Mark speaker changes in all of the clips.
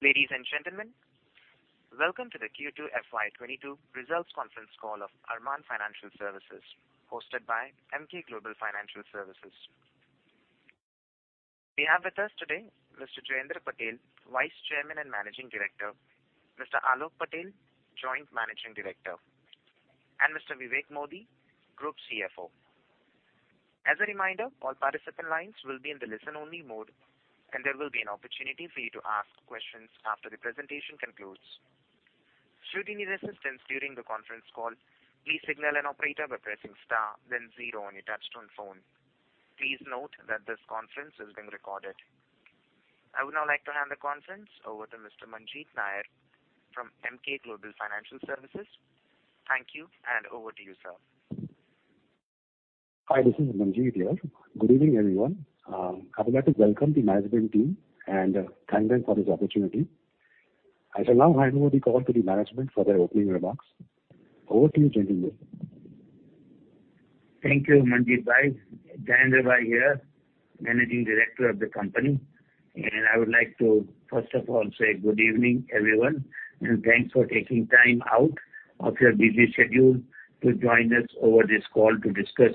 Speaker 1: Ladies and gentlemen, welcome to the Q2 FY 2022 results conference call of Arman Financial Services hosted by Emkay Global Financial Services. We have with us today Mr. Jayendra Patel, Vice Chairman and Managing Director, Mr. Aalok Patel, Joint Managing Director, and Mr. Vivek Modi, Group CFO. As a reminder, all participant lines will be in the listen-only mode, and there will be an opportunity for you to ask questions after the presentation concludes. Should you need assistance during the conference call, please signal an operator by pressing star then zero on your Touch-Tone phone. Please note that this conference is being recorded. I would now like to hand the conference over to Mr. Manjith Nair from Emkay Global Financial Services. Thank you, and over to you, sir.
Speaker 2: Hi, this is Manjith Nair. Good evening, everyone. I would like to welcome the management team and thank them for this opportunity. I shall now hand over the call to the management for their opening remarks. Over to you, Jayendra.
Speaker 3: Thank you, Manjith Nair. Jayendra right here, Managing Director of the company. I would like to, first of all, say good evening, everyone, and thanks for taking time out of your busy schedule to join us over this call to discuss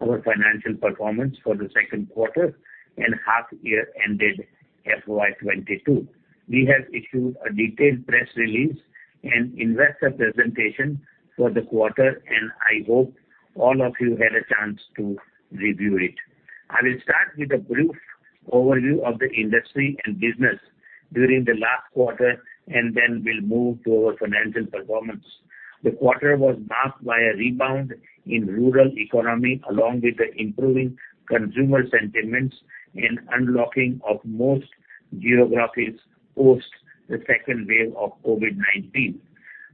Speaker 3: our financial performance for the second quarter and half year ended FY 2022. We have issued a detailed press release and investor presentation for the quarter, and I hope all of you had a chance to review it. I will start with a brief overview of the industry and business during the last quarter, and then we'll move to our financial performance. The quarter was marked by a rebound in rural economy, along with the improving consumer sentiments and unlocking of most geographies post the second wave of COVID-19.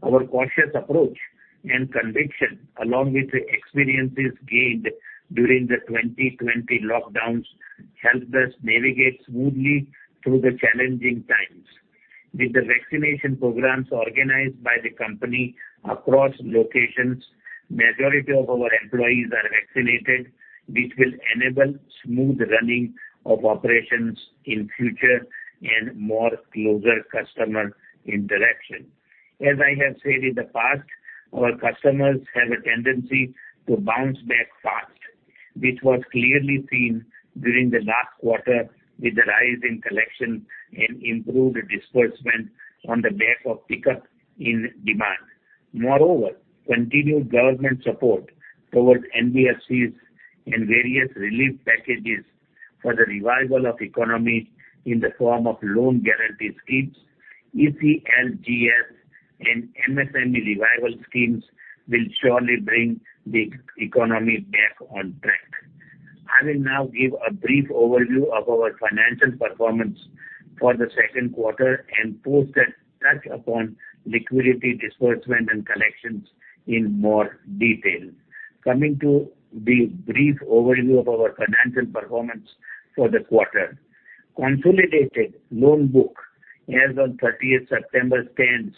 Speaker 3: Our cautious approach and conviction, along with the experiences gained during the 2020 lockdowns, helped us navigate smoothly through the challenging times. With the vaccination programs organized by the company across locations, majority of our employees are vaccinated, which will enable smooth running of operations in future and more closer customer interaction. As I have said in the past, our customers have a tendency to bounce back fast, which was clearly seen during the last quarter with the rise in collection and improved disbursement on the back of pickup in demand. Moreover, continued government support towards NBFCs and various relief packages for the revival of economy in the form of loan guarantee schemes, ECLGS, and MSME revival schemes will surely bring the economy back on track. I will now give a brief overview of our financial performance for the second quarter and post that touch upon liquidity disbursement and collections in more detail. Coming to the brief overview of our financial performance for the quarter. Consolidated loan book as on 30th September stands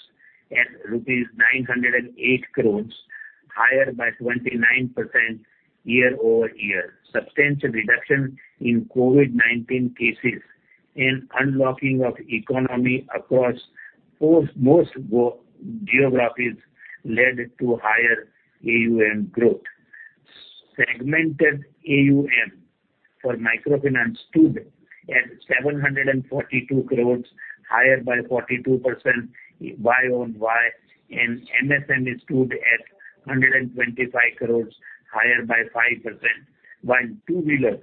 Speaker 3: at rupees 908 crore, higher by 29% year-over-year. Substantial reduction in COVID-19 cases and unlocking of economy across most of our geographies led to higher AUM growth. Segmented AUM for microfinance stood at 742 crore, higher by 42% Y-on-Y, and MSME stood at 125 crore, higher by 5%, while two-wheeler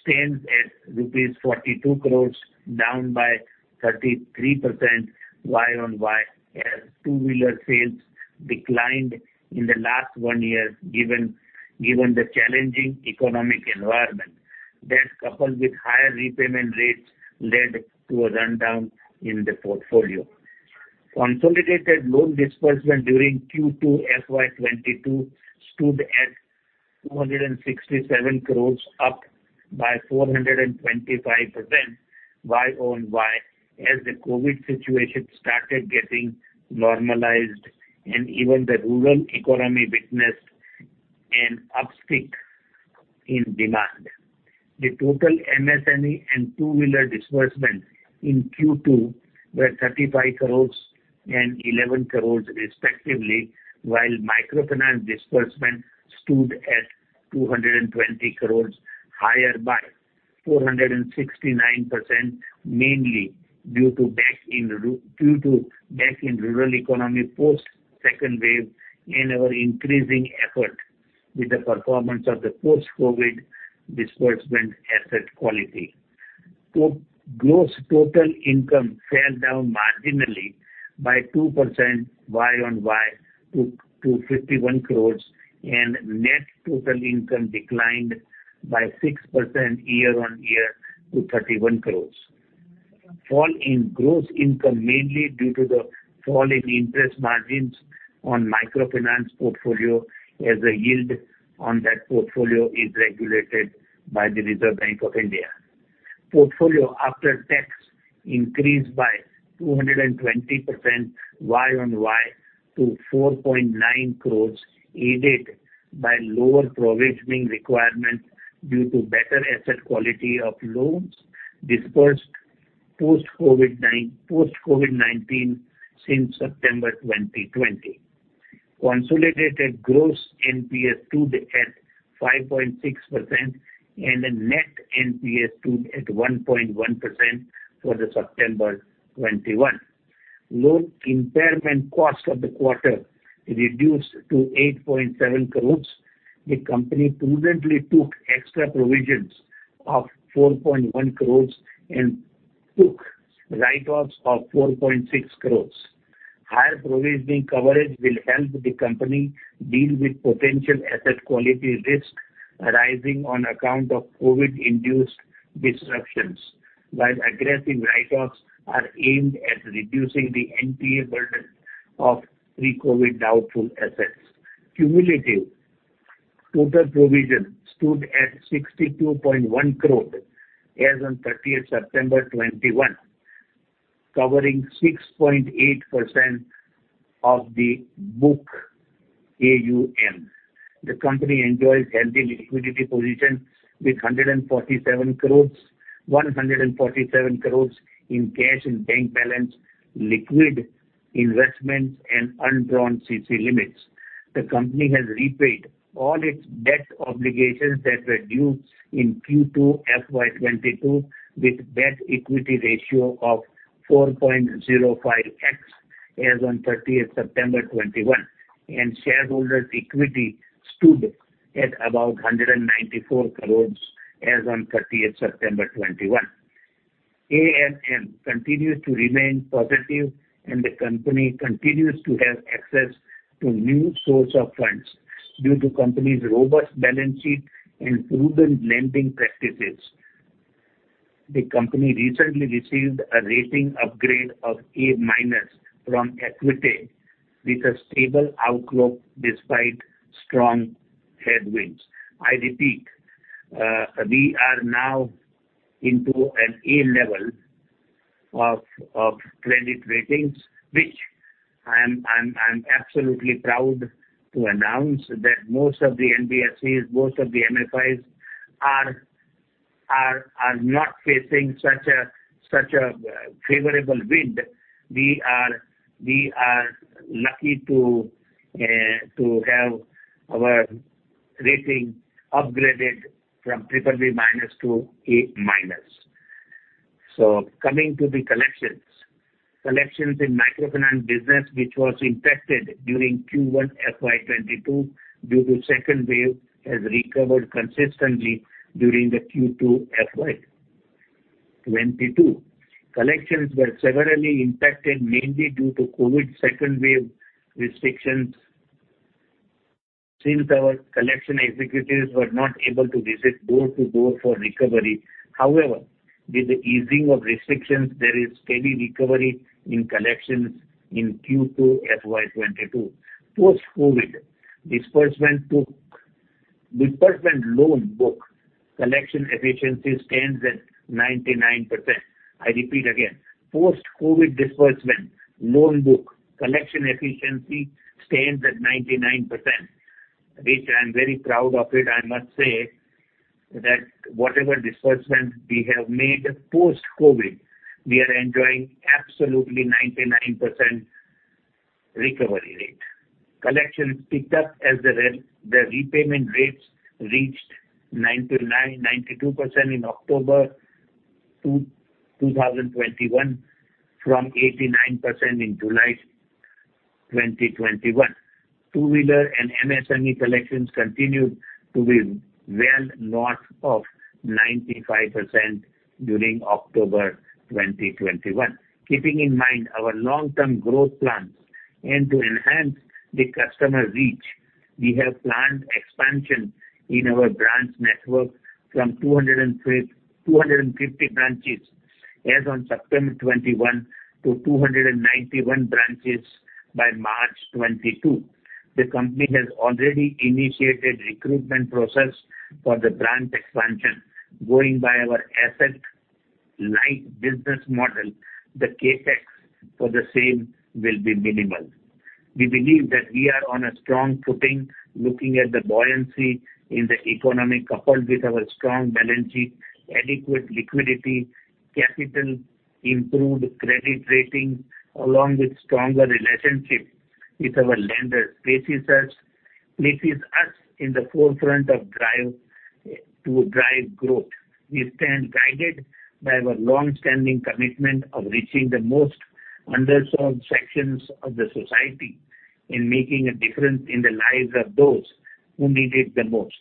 Speaker 3: stands at rupees 42 crore, down by 33% Y-on-Y, as two-wheeler sales declined in the last one year given the challenging economic environment. That, coupled with higher repayment rates, led to a rundown in the portfolio. Consolidated loan disbursement during Q2 FY 2022 stood at 267 crores, up by 425% Y-o-Y, as the COVID situation started getting normalized and even the rural economy witnessed an uptick in demand. The total MSME and two-wheeler disbursement in Q2 were 35 crores and 11 crores respectively, while microfinance disbursement stood at INR 220 crores, higher by 469%, mainly due to bounce back in rural economy post second wave and our increasing effort with the performance of the post-COVID disbursement asset quality. Gross total income fell down marginally by 2% Y-on-Y to 51 crores, and net total income declined by 6% year-on-year to 31 crores. Fall in gross income mainly due to the fall in interest margins on microfinance portfolio as the yield on that portfolio is regulated by the Reserve Bank of India. Profit after tax increased by 220% Y-on-Y to 4.9 crores, aided by lower provisioning requirements due to better asset quality of loans disbursed post COVID-19 since September 2020. Consolidated gross NPA stood at 5.6% and the net NPA stood at 1.1% for September 2021. Loan impairment cost of the quarter reduced to INR 8.7 crores. The company prudently took extra provisions of INR 4.1 crores and took write-offs of INR 4.6 crores. Higher provisioning coverage will help the company deal with potential asset quality risks arising on account of COVID-induced disruptions, while aggressive write-offs are aimed at reducing the NPA burden of pre-COVID doubtful assets. Cumulative total provision stood at 62.1 crore as on 30th September 2021, covering 6.8% of the book AUM. The company enjoys healthy liquidity position with INR 147 crore in cash and bank balance, liquid investments, and undrawn CC limits. The company has repaid all its debt obligations that were due in Q2 FY 2022, with debt equity ratio of 4.05x as on 30th September 2021, and shareholders' equity stood at about 194 crore as on 30th September 2021. AMM continues to remain positive, and the company continues to have access to new source of funds due to company's robust balance sheet and prudent lending practices. The company recently received a rating upgrade of A- from Acuité with a stable outlook despite strong headwinds. I repeat, we are now into an A level of credit ratings, which I'm absolutely proud to announce that most of the NBFCs, most of the MFIs are not facing such a favorable wind. We are lucky to have our rating upgraded from BBB- to A-. Coming to the collections. Collections in microfinance business, which was impacted during Q1 FY 2022 due to second wave, has recovered consistently during the Q2 FY 2022. Collections were severely impacted mainly due to COVID second wave restrictions since our collection executives were not able to visit door to door for recovery. However, with the easing of restrictions, there is steady recovery in collections in Q2 FY 2022. Post-COVID, disbursement loan book collection efficiency stands at 99%. I repeat again, post-COVID disbursement loan book collection efficiency stands at 99%, which I am very proud of it. I must say that whatever disbursement we have made post-COVID, we are enjoying absolutely 99% recovery rate. Collection picked up as the repayment rates reached 99.92% in October 2021 from 89% in July 2021. Two-wheeler and MSME collections continued to be well north of 95% during October 2021. Keeping in mind our long-term growth plans and to enhance the customer reach, we have planned expansion in our branch network from 250 branches as on September 2021 to 291 branches by March 2022. The company has already initiated recruitment process for the branch expansion. Going by our asset-light business model, the CapEx for the same will be minimal. We believe that we are on a strong footing looking at the buoyancy in the economy, coupled with our strong balance sheet, adequate liquidity, capital, improved credit rating, along with stronger relationship with our lenders. This places us in the forefront to drive growth. We stand guided by our long-standing commitment of reaching the most underserved sections of the society in making a difference in the lives of those who need it the most.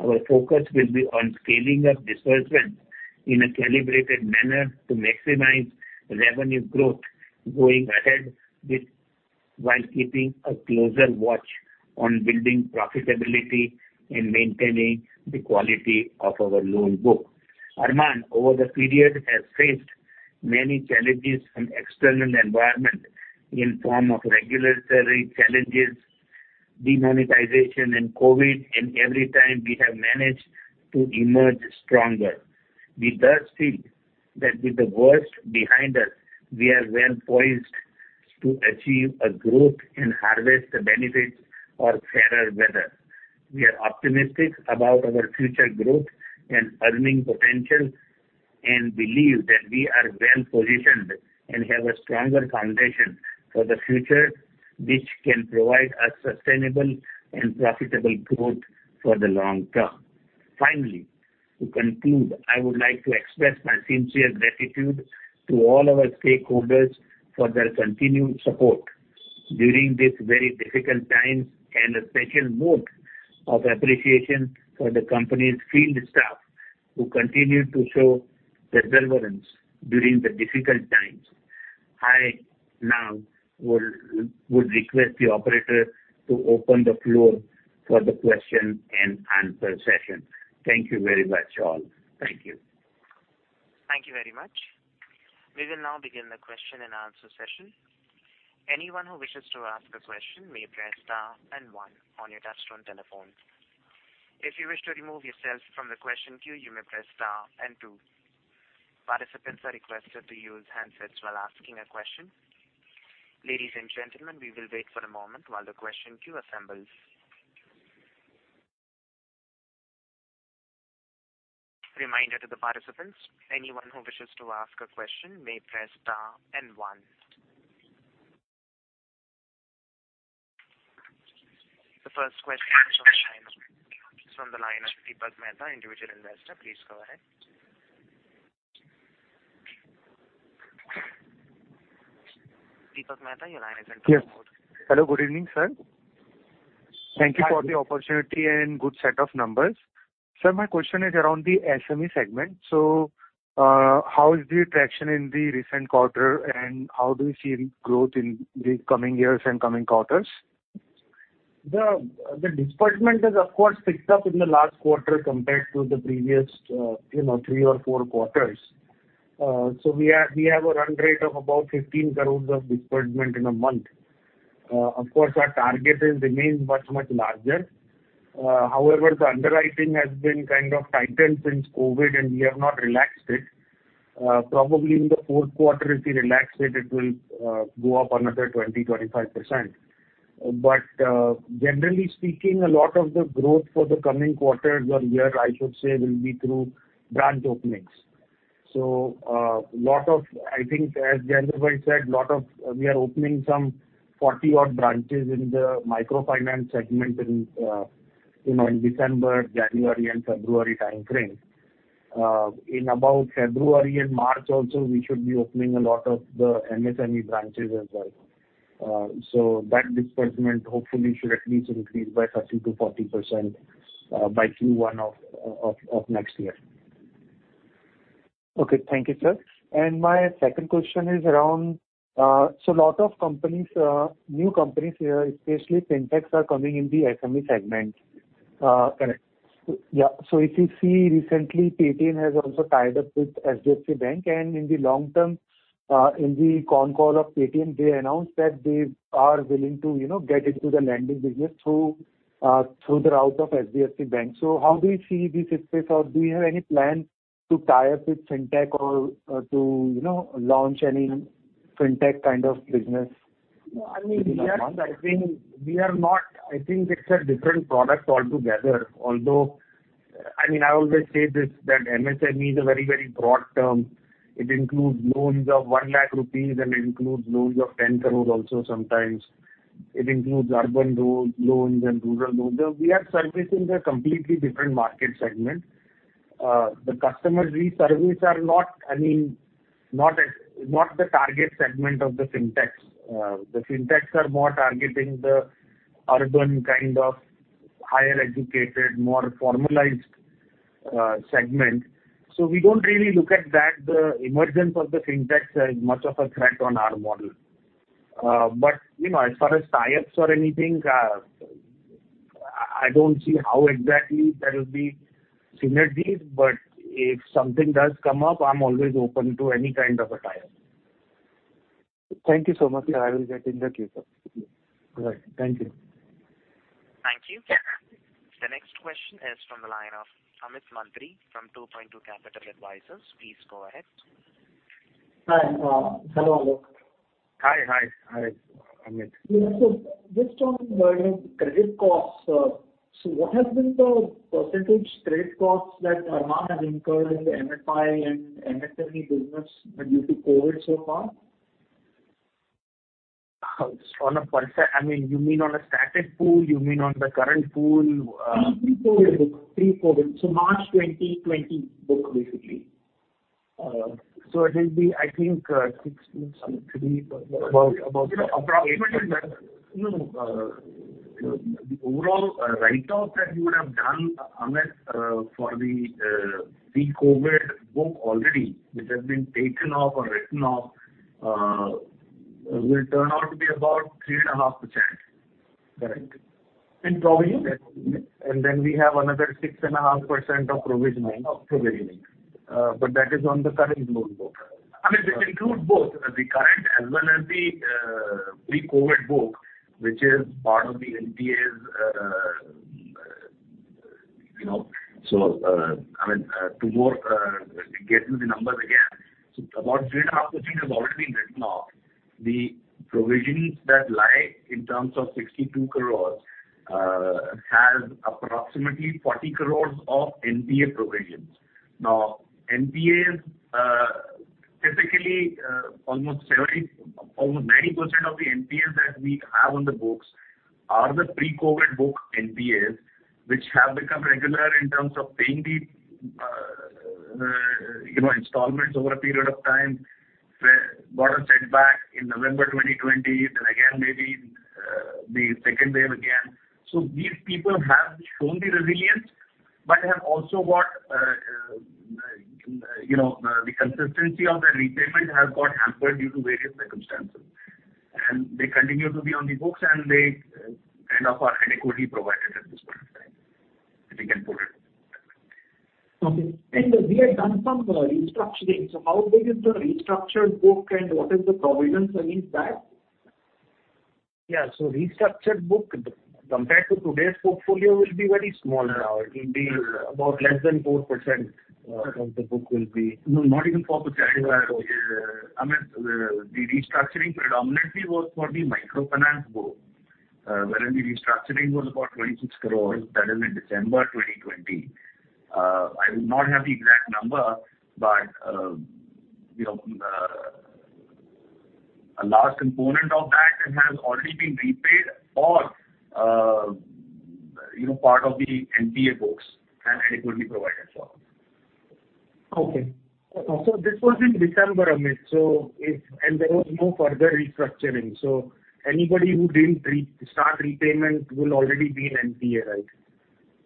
Speaker 3: Our focus will be on scaling up disbursement in a calibrated manner to maximize revenue growth going ahead, while keeping a closer watch on building profitability and maintaining the quality of our loan book. Arman over the period has faced many challenges from external environment in form of regulatory challenges, demonetization and COVID, and every time we have managed to emerge stronger. We thus feel that with the worst behind us, we are well-poised to achieve a growth and harvest the benefits of fairer weather. We are optimistic about our future growth and earning potential, and believe that we are well-positioned and have a stronger foundation for the future which can provide a sustainable and profitable growth for the long term. Finally, to conclude, I would like to express my sincere gratitude to all our stakeholders for their continued support during this very difficult time, and a special vote of appreciation for the company's field staff who continued to show perseverance during the difficult times. I now would request the operator to open the floor for the question-and-answer session. Thank you very much, all. Thank you.
Speaker 1: Thank you very much. We will now begin the question-and-answer session. Anyone who wishes to ask a question may press star and one on your Touch-Tone telephone. If you wish to remove yourself from the question queue, you may press star and two. Participants are requested to use handsets while asking a question. Ladies and gentlemen, we will wait for a moment while the question queue assembles. Reminder to the participants, anyone who wishes to ask a question may press star and one. The first question is from the line of Deepak Mehta, Individual Investor. Please go ahead. Deepak Mehta, your line is open.
Speaker 4: Yes. Hello. Good evening, sir. Thank you for the opportunity and good set of numbers. Sir, my question is around the SME segment. How is the traction in the recent quarter, and how do you see growth in the coming years and coming quarters?
Speaker 5: The disbursement has of course picked up in the last quarter compared to the previous, you know, three or four quarters. We have a run rate of about 15 crore of disbursement in a month. Of course our target remains much, much larger. However, the underwriting has been kind of tightened since COVID and we have not relaxed it. Probably in the fourth quarter, if we relax it will go up another 20%-25%. Generally speaking, a lot of the growth for the coming quarters or year, I should say, will be through branch openings. I think, as Jayendra said, we are opening some 40-odd branches in the microfinance segment in, you know, in December, January and February time frame. In about February and March also we should be opening a lot of the MSME branches as well. That disbursement hopefully should at least increase by 30%-40% by Q1 of next year.
Speaker 4: Okay. Thank you, sir. My second question is around, so lot of companies, new companies, especially FinTechs, are coming in the SME segment.
Speaker 5: Correct.
Speaker 4: If you see recently, Paytm has also tied up with SBFC Finance, and in the long term, in the con call of Paytm, they announced that they are willing to, you know, get into the lending business through the route of SBFC Finance. How do you see this space? Or do you have any plans to tie up with fintech or to, you know, launch any FinTechs kind of business?
Speaker 5: No, I mean, I think it's a different product altogether. Although, I mean, I always say this, that MSME is a very, very broad term. It includes loans of 1 lakh rupees and loans of INR 10 crore also sometimes. It includes urban loans and rural loans. We are servicing a completely different market segment. The customers we service are not, I mean, not the target segment of the FinTechs. The FinTechs are more targeting the urban kind of higher educated, more formalized segment. We don't really look at that, the emergence of the FinTechs as much of a threat on our model. You know, as far as tie-ups or anything, I don't see how exactly there will be synergies, but if something does come up, I'm always open to any kind of a tie-up.
Speaker 4: Thank you so much. I will get in the queue, sir.
Speaker 6: All right. Thank you.
Speaker 1: Thank you. The next question is from the line of Amit Mantri from 2Point2 Capital Advisors. Please go ahead.
Speaker 6: Hi. Hello.
Speaker 5: Hi, Amit.
Speaker 6: Just on credit costs, what has been the percentage credit costs that Arman has incurred in the MFI and MSME business due to COVID so far?
Speaker 5: I mean, you mean on a static pool? You mean on the current pool?
Speaker 6: Pre-COVID book. Pre-COVID. March 2020 book, basically.
Speaker 5: It will be, I think, 6 point something.
Speaker 6: You know, approximately.
Speaker 5: No, the overall write-off that you would have done, Amit, for the pre-COVID book already, which has been taken off or written off, will turn out to be about 3.5%.
Speaker 6: Correct. And volume?
Speaker 5: We have another 6.5% of provisioning.
Speaker 6: Of provisioning.
Speaker 5: That is on the current loan book. I mean, they include both the current as well as the pre-COVID book, which is part of the NPAs, you know. I mean, to get into the numbers again. About 3.5% has already been written off. The provisions that lie in terms of 62 crore have approximately 40 crore of NPA provisions. Now, NPAs typically almost 70%, almost 90% of the NPAs that we have on the books are the pre-COVID book NPAs, which have become regular in terms of paying the you know installments over a period of time, which got a setback in November 2020, then again maybe the second wave again. These people have shown the resilience, but have also got, you know, the consistency of the repayment has got hampered due to various circumstances. They continue to be on the books, and they kind of are adequately provided at this point in time, if we can put it that way.
Speaker 6: Okay. We have done some restructuring. How big is the restructured book, and what is the provision against that?
Speaker 5: Yeah. Restructured book compared to today's portfolio will be very small now. It will be about less than 4% of the book.
Speaker 7: No, not even 4%. I mean, the restructuring predominantly was for the microfinance book, wherein the restructuring was about 26 crore. That is in December 2020. I would not have the exact number, but, you know, a large component of that has already been repaid or, you know, part of the NPA books and adequately provided for.
Speaker 5: Okay. This was in December, Amit. There was no further restructuring. Anybody who didn't re-start repayment will already be in NPA, right?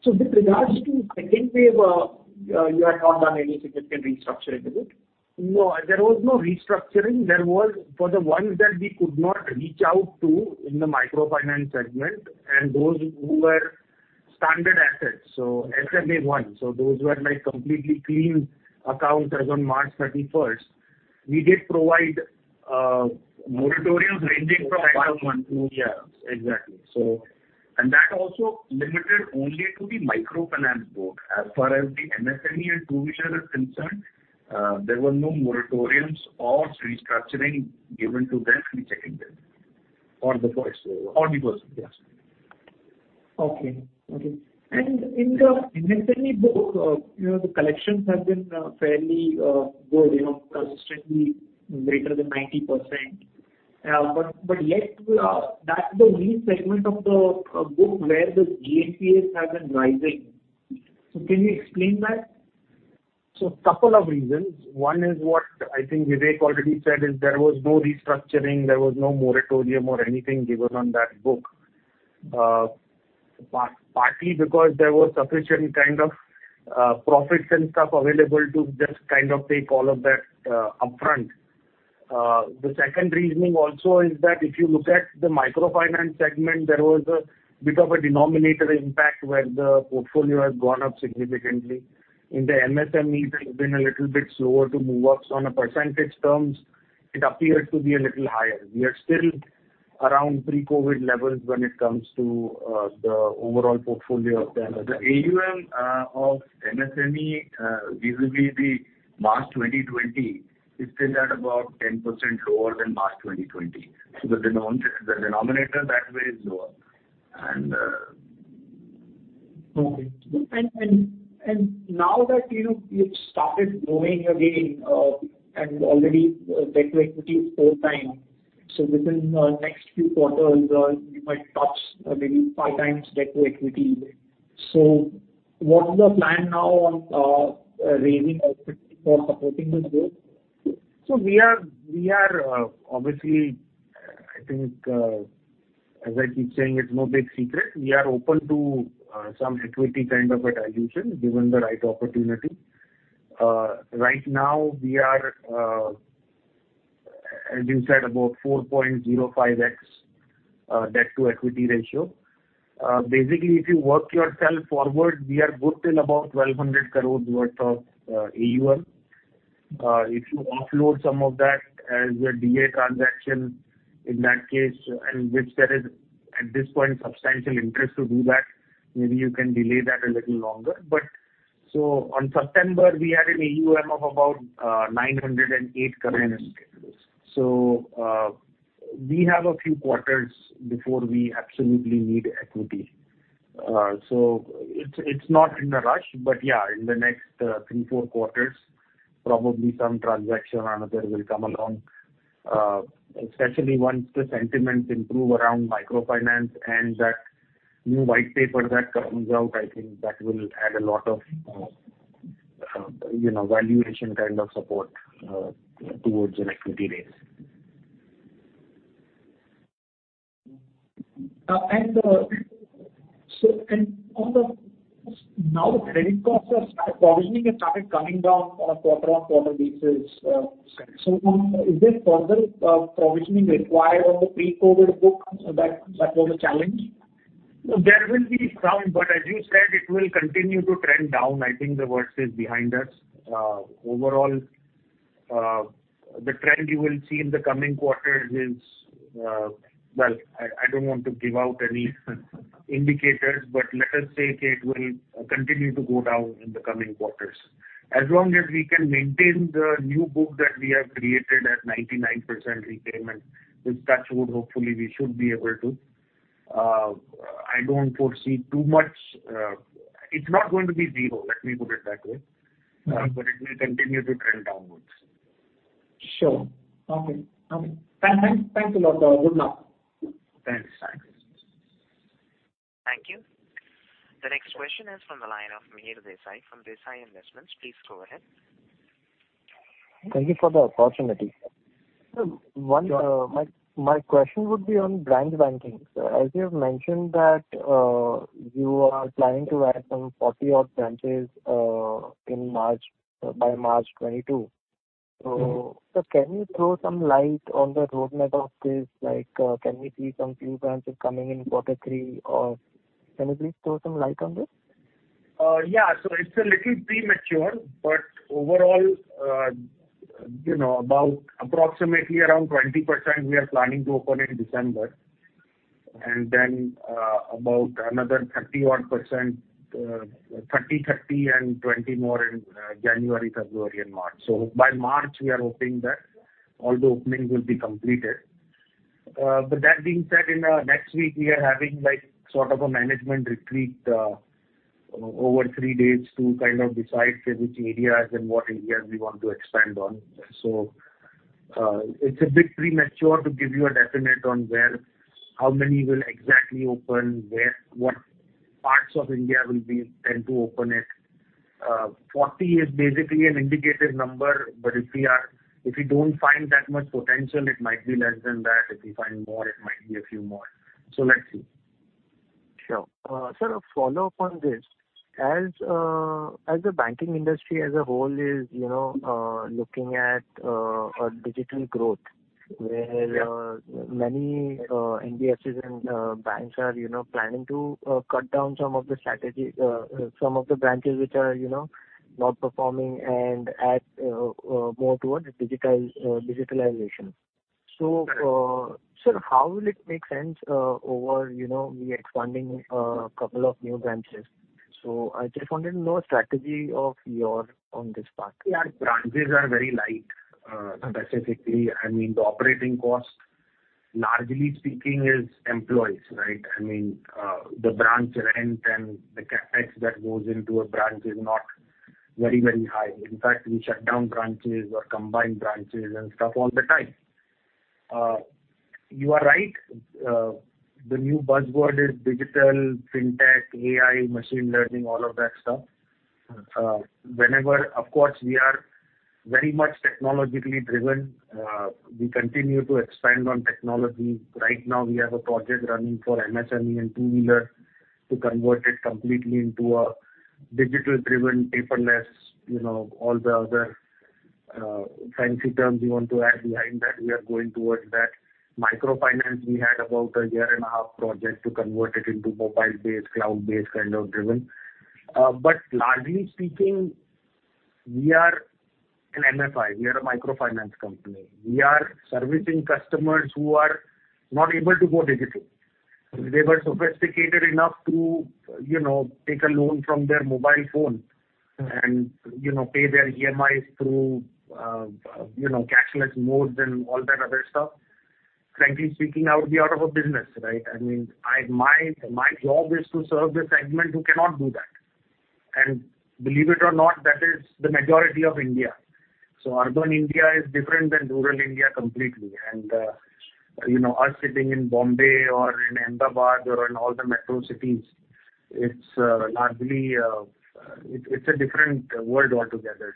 Speaker 6: With regards to second wave, you had not done any significant restructuring, is it?
Speaker 5: No. There was no restructuring. There was for the ones that we could not reach out to in the microfinance segment and those who were standard assets. SMA one, so those were like completely clean accounts as on March 31st. We did provide moratoriums ranging from one to- Yeah, exactly. That also limited only to the microfinance book. As far as the MSME and two-wheeler is concerned, there were no moratoriums or restructuring given to them which ended.
Speaker 6: The first wave.
Speaker 5: The first, yes.
Speaker 6: Okay. In the MSME book, you know, the collections have been fairly good, you know, consistently greater than 90%. But yet, that's the only segment of the book where the GNPA has been rising. Can you explain that?
Speaker 5: Couple of reasons. One is what I think Vivek already said is there was no restructuring, there was no moratorium or anything given on that book. Partly because there was sufficient kind of profits and stuff available to just kind of take all of that upfront. The second reasoning also is that if you look at the microfinance segment, there was a bit of a denominator impact where the portfolio has gone up significantly. In the MSMEs, it's been a little bit slower to move up. On a percentage terms, it appears to be a little higher. We are still around pre-COVID levels when it comes to the overall portfolio of the MSMEs. The AUM of MSME vis-à-vis March 2020 is still at about 10% lower than March 2020. The denominator that way is lower.
Speaker 6: Okay. Now that, you know, you've started growing again and already debt to equity is 4x. Within next few quarters, you might touch maybe 5x debt to equity. What's the plan now on raising equity for supporting this growth?
Speaker 5: We are obviously, I think, as I keep saying, it's no big secret. We are open to some equity kind of a dilution given the right opportunity. Right now we are, as you said, about 4.05x debt to equity ratio. Basically if you work yourself forward, we are good till about 1,200 crores worth of AUM. If you offload some of that as a DA transaction, in that case, and which there is at this point substantial interest to do that, maybe you can delay that a little longer. On September we had an AUM of about 908 crores. We have a few quarters before we absolutely need equity. It is not in a rush. Yeah, in the next three, four quarters probably some transaction or another will come along. Especially once the sentiments improve around microfinance and that new white paper that comes out, I think that will add a lot of, you know, valuation kind of support towards an equity raise.
Speaker 6: Now the provisioning has started coming down on a quarter-on-quarter basis. Is there further provisioning required on the pre-COVID book that was a challenge?
Speaker 5: No, there will be some, but as you said, it will continue to trend down. I think the worst is behind us. Overall, the trend you will see in the coming quarters is, well, I don't want to give out any indicators, but let us say it will continue to go down in the coming quarters. As long as we can maintain the new book that we have created at 99% repayment, with touch wood, hopefully we should be able to. I don't foresee too much. It's not going to be zero, let me put it that way.
Speaker 6: Mm-hmm.
Speaker 5: It may continue to trend downwards.
Speaker 6: Sure. Okay. Thanks a lot, good luck.
Speaker 5: Thanks.
Speaker 7: Thanks.
Speaker 1: Thank you. The next question is from the line of Mihir Desai, from Desai Investments. Please go ahead.
Speaker 8: Thank you for the opportunity. Sir, one, my question would be on branch banking. As you have mentioned that, you are planning to add some 40-odd branches, in March, by March 2022.
Speaker 5: Mm-hmm.
Speaker 8: sir, can you throw some light on the roadmap of this? Like, can we see some few branches coming in quarter three, or can you please throw some light on this?
Speaker 5: Yeah. It's a little premature, but overall, you know, about approximately around 20% we are planning to open in December. Then, about another 31%, 30%, 30% and 20% more in January, February and March. By March, we are hoping that all the openings will be completed. But that being said, next week, we are having like sort of a management retreat over three days to kind of decide which areas and what areas we want to expand on. It's a bit premature to give you a definite on where, how many will exactly open, where, what parts of India we intend to open it. 40% is basically an indicative number, but if we don't find that much potential, it might be less than that. If we find more, it might be a few more. Let's see.
Speaker 8: Sure. Sir, a follow-up on this. As the banking industry as a whole is, you know, looking at a digital growth.
Speaker 5: Yeah.
Speaker 8: Where many NBFCs and banks are, you know, planning to cut down some of the branches which are, you know, not performing and add more towards digitalization.
Speaker 5: Correct.
Speaker 8: sir, how will it make sense, over, you know, we expanding, couple of new branches? I just wanted to know strategy of your on this part.
Speaker 5: Our branches are very light, specifically. I mean, the operating cost, largely speaking, is employees, right? I mean, the branch rent and the CapEx that goes into a branch is not very, very high. In fact, we shut down branches or combine branches and stuff all the time. You are right. The new buzzword is digital, fintech, AI, machine learning, all of that stuff.
Speaker 8: Mm-hmm.
Speaker 5: Whenever, of course, we are very much technologically driven, we continue to expand on technology. Right now we have a project running for MSME and two-wheeler to convert it completely into a digital-driven, paperless, you know, all the other, fancy terms you want to add behind that, we are going towards that. Microfinance, we had about a year and a half project to convert it into mobile-based, cloud-based kind of driven. Largely speaking, we are an MFI, we are a microfinance company. We are servicing customers who are not able to go digital. If they were sophisticated enough to, you know, take a loan from their mobile phone-
Speaker 8: Mm-hmm.
Speaker 5: You know, pay their EMIs through, you know, cashless modes and all that other stuff. Frankly speaking, I would be out of a business, right? I mean, my job is to serve the segment who cannot do that. Believe it or not, that is the majority of India. Urban India is different than rural India completely. You know, us sitting in Bombay or in Ahmedabad or in all the metro cities, it's largely a different world altogether.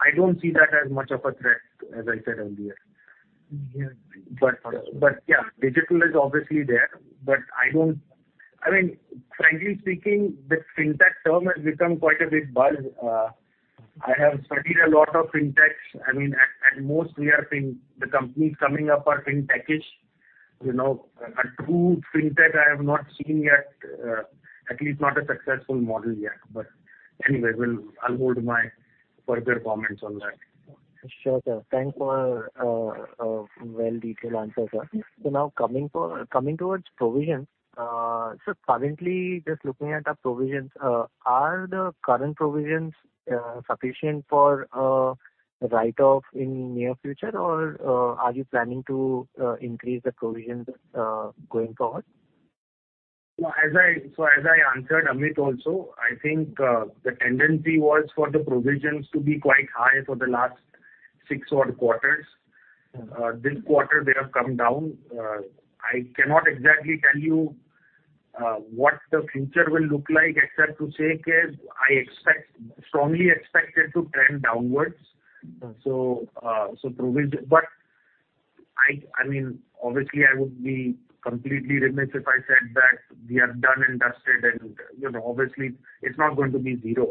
Speaker 5: I don't see that as much of a threat, as I said earlier.
Speaker 8: Yeah.
Speaker 5: Yeah, digital is obviously there, but I don't, I mean, frankly speaking, the fintech term has become quite a big buzz. I have studied a lot of FinTechs. I mean, at most we are seeing the companies coming up are FinTech-ish. You know, a true fintech I have not seen yet, at least not a successful model yet. Anyway, I'll hold my further comments on that.
Speaker 8: Sure, sir. Thanks for well detailed answer, sir. Now coming towards provisions. Currently just looking at the provisions, are the current provisions sufficient for write-off in near future? Or are you planning to increase the provisions going forward?
Speaker 5: No. As I answered Amit also, I think, the tendency was for the provisions to be quite high for the last six odd quarters.
Speaker 8: Mm-hmm.
Speaker 5: This quarter they have come down. I cannot exactly tell you what the future will look like, except to say, I expect, strongly expect it to trend downwards.
Speaker 8: Mm-hmm.
Speaker 5: I mean, obviously I would be completely remiss if I said that we are done and dusted and, you know, obviously it's not going to be zero.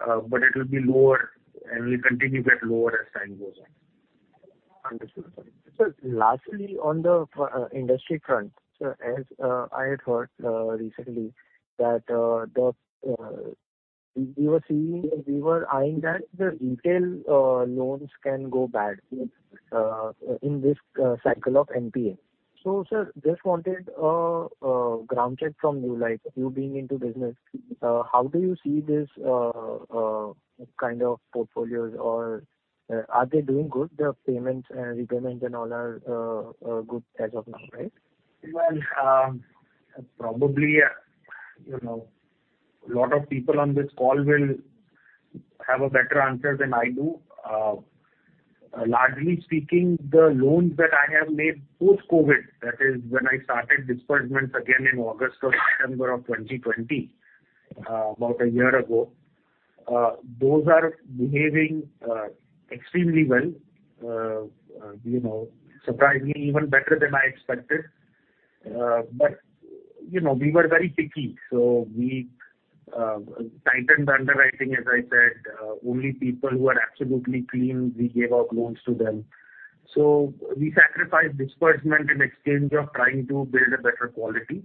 Speaker 5: It will be lower and will continue to get lower as time goes on.
Speaker 8: Understood. Sir, lastly, on the industry front. Sir, as I had heard recently that we were seeing or we were eyeing that the retail loans can go bad in this cycle of NPA. Sir, just wanted a ground check from you, like you being into business, how do you see this kind of portfolios or are they doing good? Their payments and repayments and all are good as of now, right?
Speaker 5: Well, probably, you know, a lot of people on this call will have a better answer than I do. Largely speaking, the loans that I have made post-COVID, that is when I started disbursements again in August or September of 2020, about a year ago, those are behaving extremely well. You know, surprisingly, even better than I expected. But, you know, we were very picky, so we tightened the underwriting, as I said. Only people who are absolutely clean, we gave out loans to them. So we sacrificed disbursement in exchange of trying to build a better quality.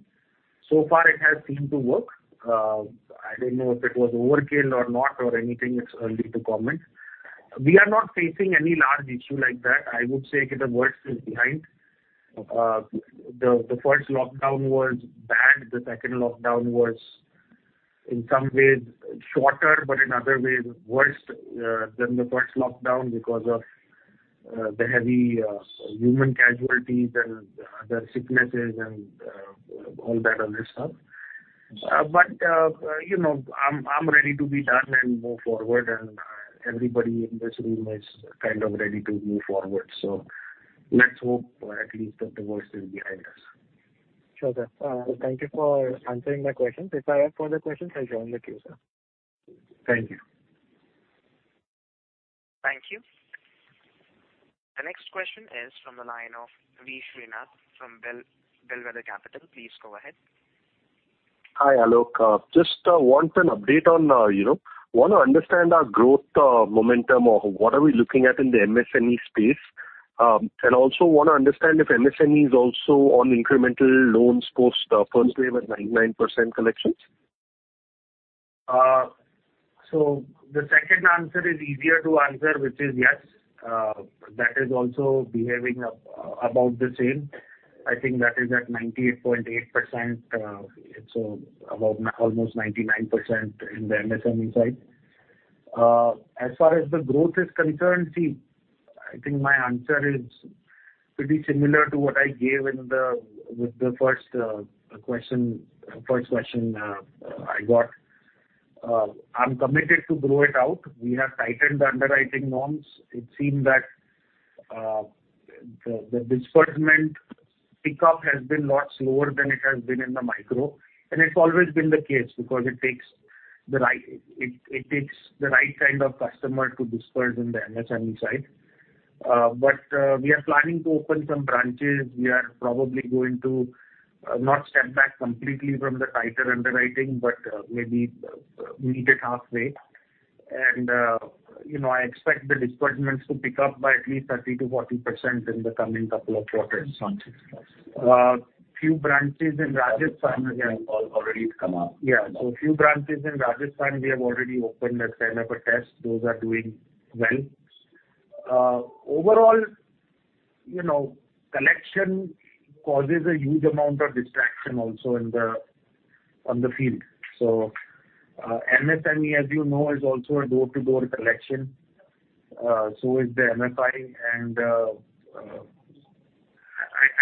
Speaker 5: So far it has seemed to work. I don't know if it was overkill or not or anything. It's early to comment. We are not facing any large issue like that. I would say that the worst is behind. The first lockdown was bad. The second lockdown was in some ways shorter, but in other ways worse than the first lockdown because of the heavy human casualties and the sicknesses and all that other stuff. You know, I'm ready to be done and move forward and everybody in this room is kind of ready to move forward. Let's hope at least that the worst is behind us.
Speaker 8: Sure, sir. Thank you for answering my questions. If I have further questions, I'll join the queue, sir.
Speaker 5: Thank you.
Speaker 1: Thank you. The next question is from the line of V. Srinath from Bellwether Capital. Please go ahead.
Speaker 9: Hi, Aalok. Just want an update on, you know, want to understand our growth momentum or what are we looking at in the MSME space. Also want to understand if MSME is also on incremental loans post first wave at 99% collections.
Speaker 5: The second answer is easier to answer, which is yes. That is also behaving about the same. I think that is at 98.8%. So about almost 99% in the MSME side. As far as the growth is concerned, see, I think my answer is pretty similar to what I gave in the, with the first question I got. I'm committed to grow it out. We have tightened the underwriting norms. It seemed that the disbursement pickup has been lot slower than it has been in the micro. It's always been the case because it takes the right kind of customer to disburse in the MSME side. But we are planning to open some branches. We are probably going to not step back completely from the tighter underwriting, but maybe meet it halfway. You know, I expect the disbursements to pick up by at least 30%-40% in the coming couple of quarters.
Speaker 9: Understood, sir.
Speaker 3: Few branches in Rajasthan. Have already come up.
Speaker 5: Yeah. A few branches in Rajasthan, we have already opened as kind of a test. Those are doing well. Overall, you know, collection causes a huge amount of distraction also on the field. MSME, as you know, is also a door-to-door collection, so is the MFI, and I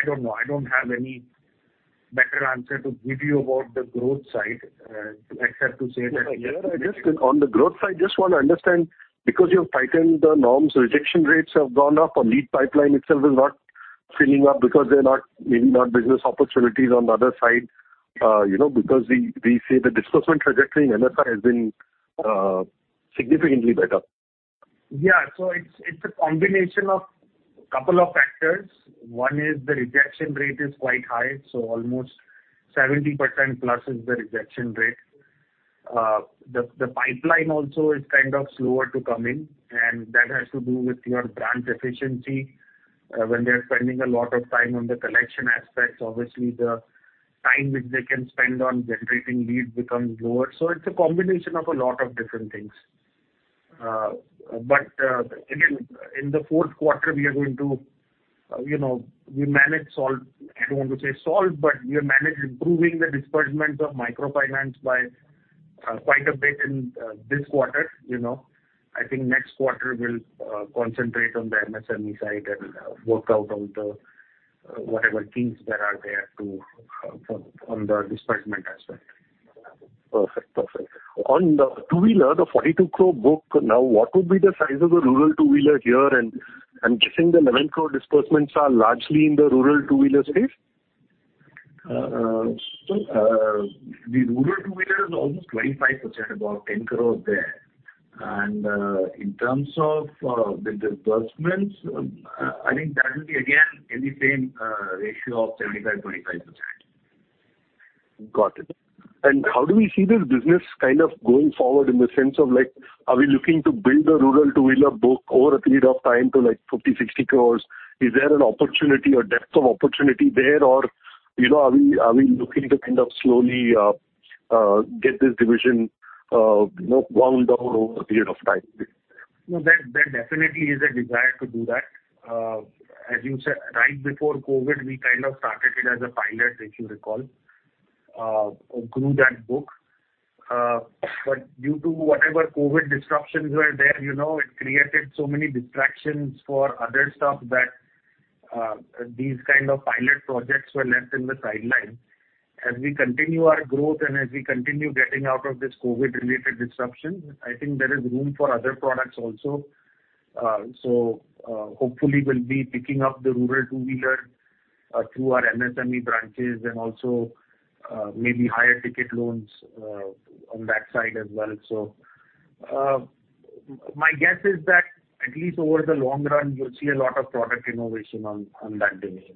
Speaker 5: don't know. I don't have any better answer to give you about the growth side, except to say that.
Speaker 9: Sir, on the growth side, just want to understand, because you've tightened the norms, rejection rates have gone up or lead pipeline itself is not filling up because they're not, maybe not business opportunities on the other side, you know, because we see the disbursement trajectory in MFI has been significantly better.
Speaker 5: Yeah. It's a combination of couple of factors. One is the rejection rate is quite high, so almost 70% plus is the rejection rate. The pipeline also is kind of slower to come in, and that has to do with your branch efficiency. When they are spending a lot of time on the collection aspects, obviously the time which they can spend on generating leads becomes lower. It's a combination of a lot of different things. Again, in the fourth quarter, we managed, solved, I don't want to say solved, but we have managed improving the disbursement of microfinance by quite a bit in this quarter, you know. I think next quarter we'll concentrate on the MSME side and work out all the whatever kinks that are there to on the disbursement aspect.
Speaker 9: Perfect. Perfect. On the two-wheeler, the 42 crore book now, what would be the size of the rural two-wheeler here? I'm guessing the 11 crore disbursements are largely in the rural two-wheeler space.
Speaker 5: The rural two-wheeler is almost 25%, about 10 crore there. In terms of the disbursements, I think that will be again in the same ratio of 75-25%.
Speaker 9: Got it. How do we see this business kind of going forward in the sense of like, are we looking to build a rural two-wheeler book over a period of time to like 50 crore-60 crore? Is there an opportunity or depth of opportunity there? Or, you know, are we looking to kind of slowly get this division, you know, wound down over a period of time?
Speaker 5: No, there definitely is a desire to do that. As you said, right before COVID, we kind of started it as a pilot, if you recall, through that book. Due to whatever COVID disruptions were there, you know, it created so many distractions for other stuff that these kind of pilot projects were left on the sidelines. As we continue our growth and as we continue getting out of this COVID related disruption, I think there is room for other products also. Hopefully we'll be picking up the rural two-wheeler through our MSME branches and also maybe higher ticket loans on that side as well. My guess is that at least over the long run, you'll see a lot of product innovation on that domain.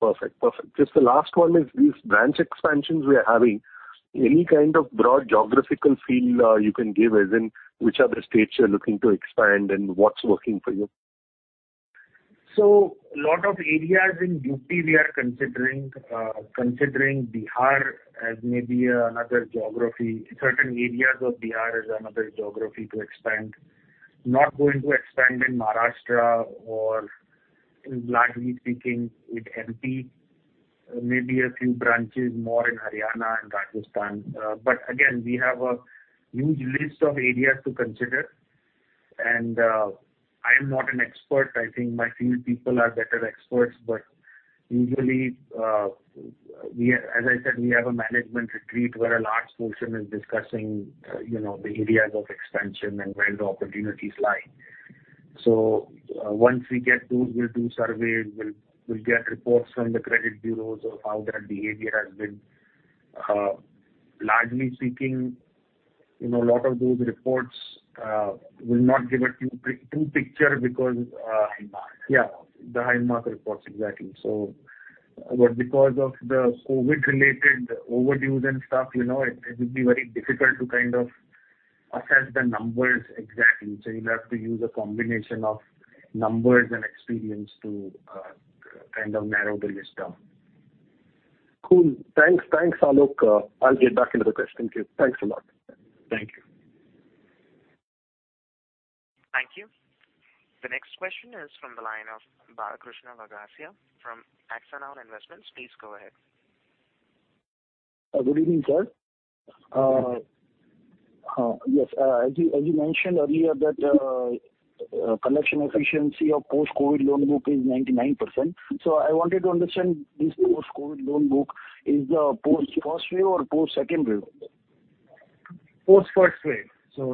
Speaker 9: Perfect. Just the last one is these branch expansions we are having, any kind of broad geographical feel, you can give as in which are the states you're looking to expand and what's working for you?
Speaker 5: A lot of areas in UP we are considering. We are considering Bihar as maybe another geography. Certain areas of Bihar as another geography to expand. Not going to expand in Maharashtra or largely speaking with MP. Maybe a few branches more in Haryana and Rajasthan. Again, we have a huge list of areas to consider. I am not an expert. I think my field people are better experts. Usually, as I said, we have a management retreat where a large portion is discussing, you know, the areas of expansion and where the opportunities lie. Once we get those, we'll do surveys. We'll get reports from the credit bureaus of how their behavior has been. Largely speaking, you know, a lot of those reports will not give a true picture because-
Speaker 3: High Mark.
Speaker 5: Yeah, the High Mark reports. Exactly. Because of the COVID related overdues and stuff, you know, it would be very difficult to kind of assess the numbers exactly. You'll have to use a combination of numbers and experience to kind of narrow the list down.
Speaker 9: Cool. Thanks. Thanks, Aalok. I'll get back into the queue. Thank you. Thanks a lot.
Speaker 5: Thank you.
Speaker 1: Thank you. The next question is from the line of Balakrishna Lagasya from Axon Owl Investments. Please go ahead.
Speaker 10: Good evening, sir. Yes, as you mentioned earlier that collection efficiency of post-COVID loan book is 99%. I wanted to understand this post-COVID loan book is post first wave or post second wave? Post first wave.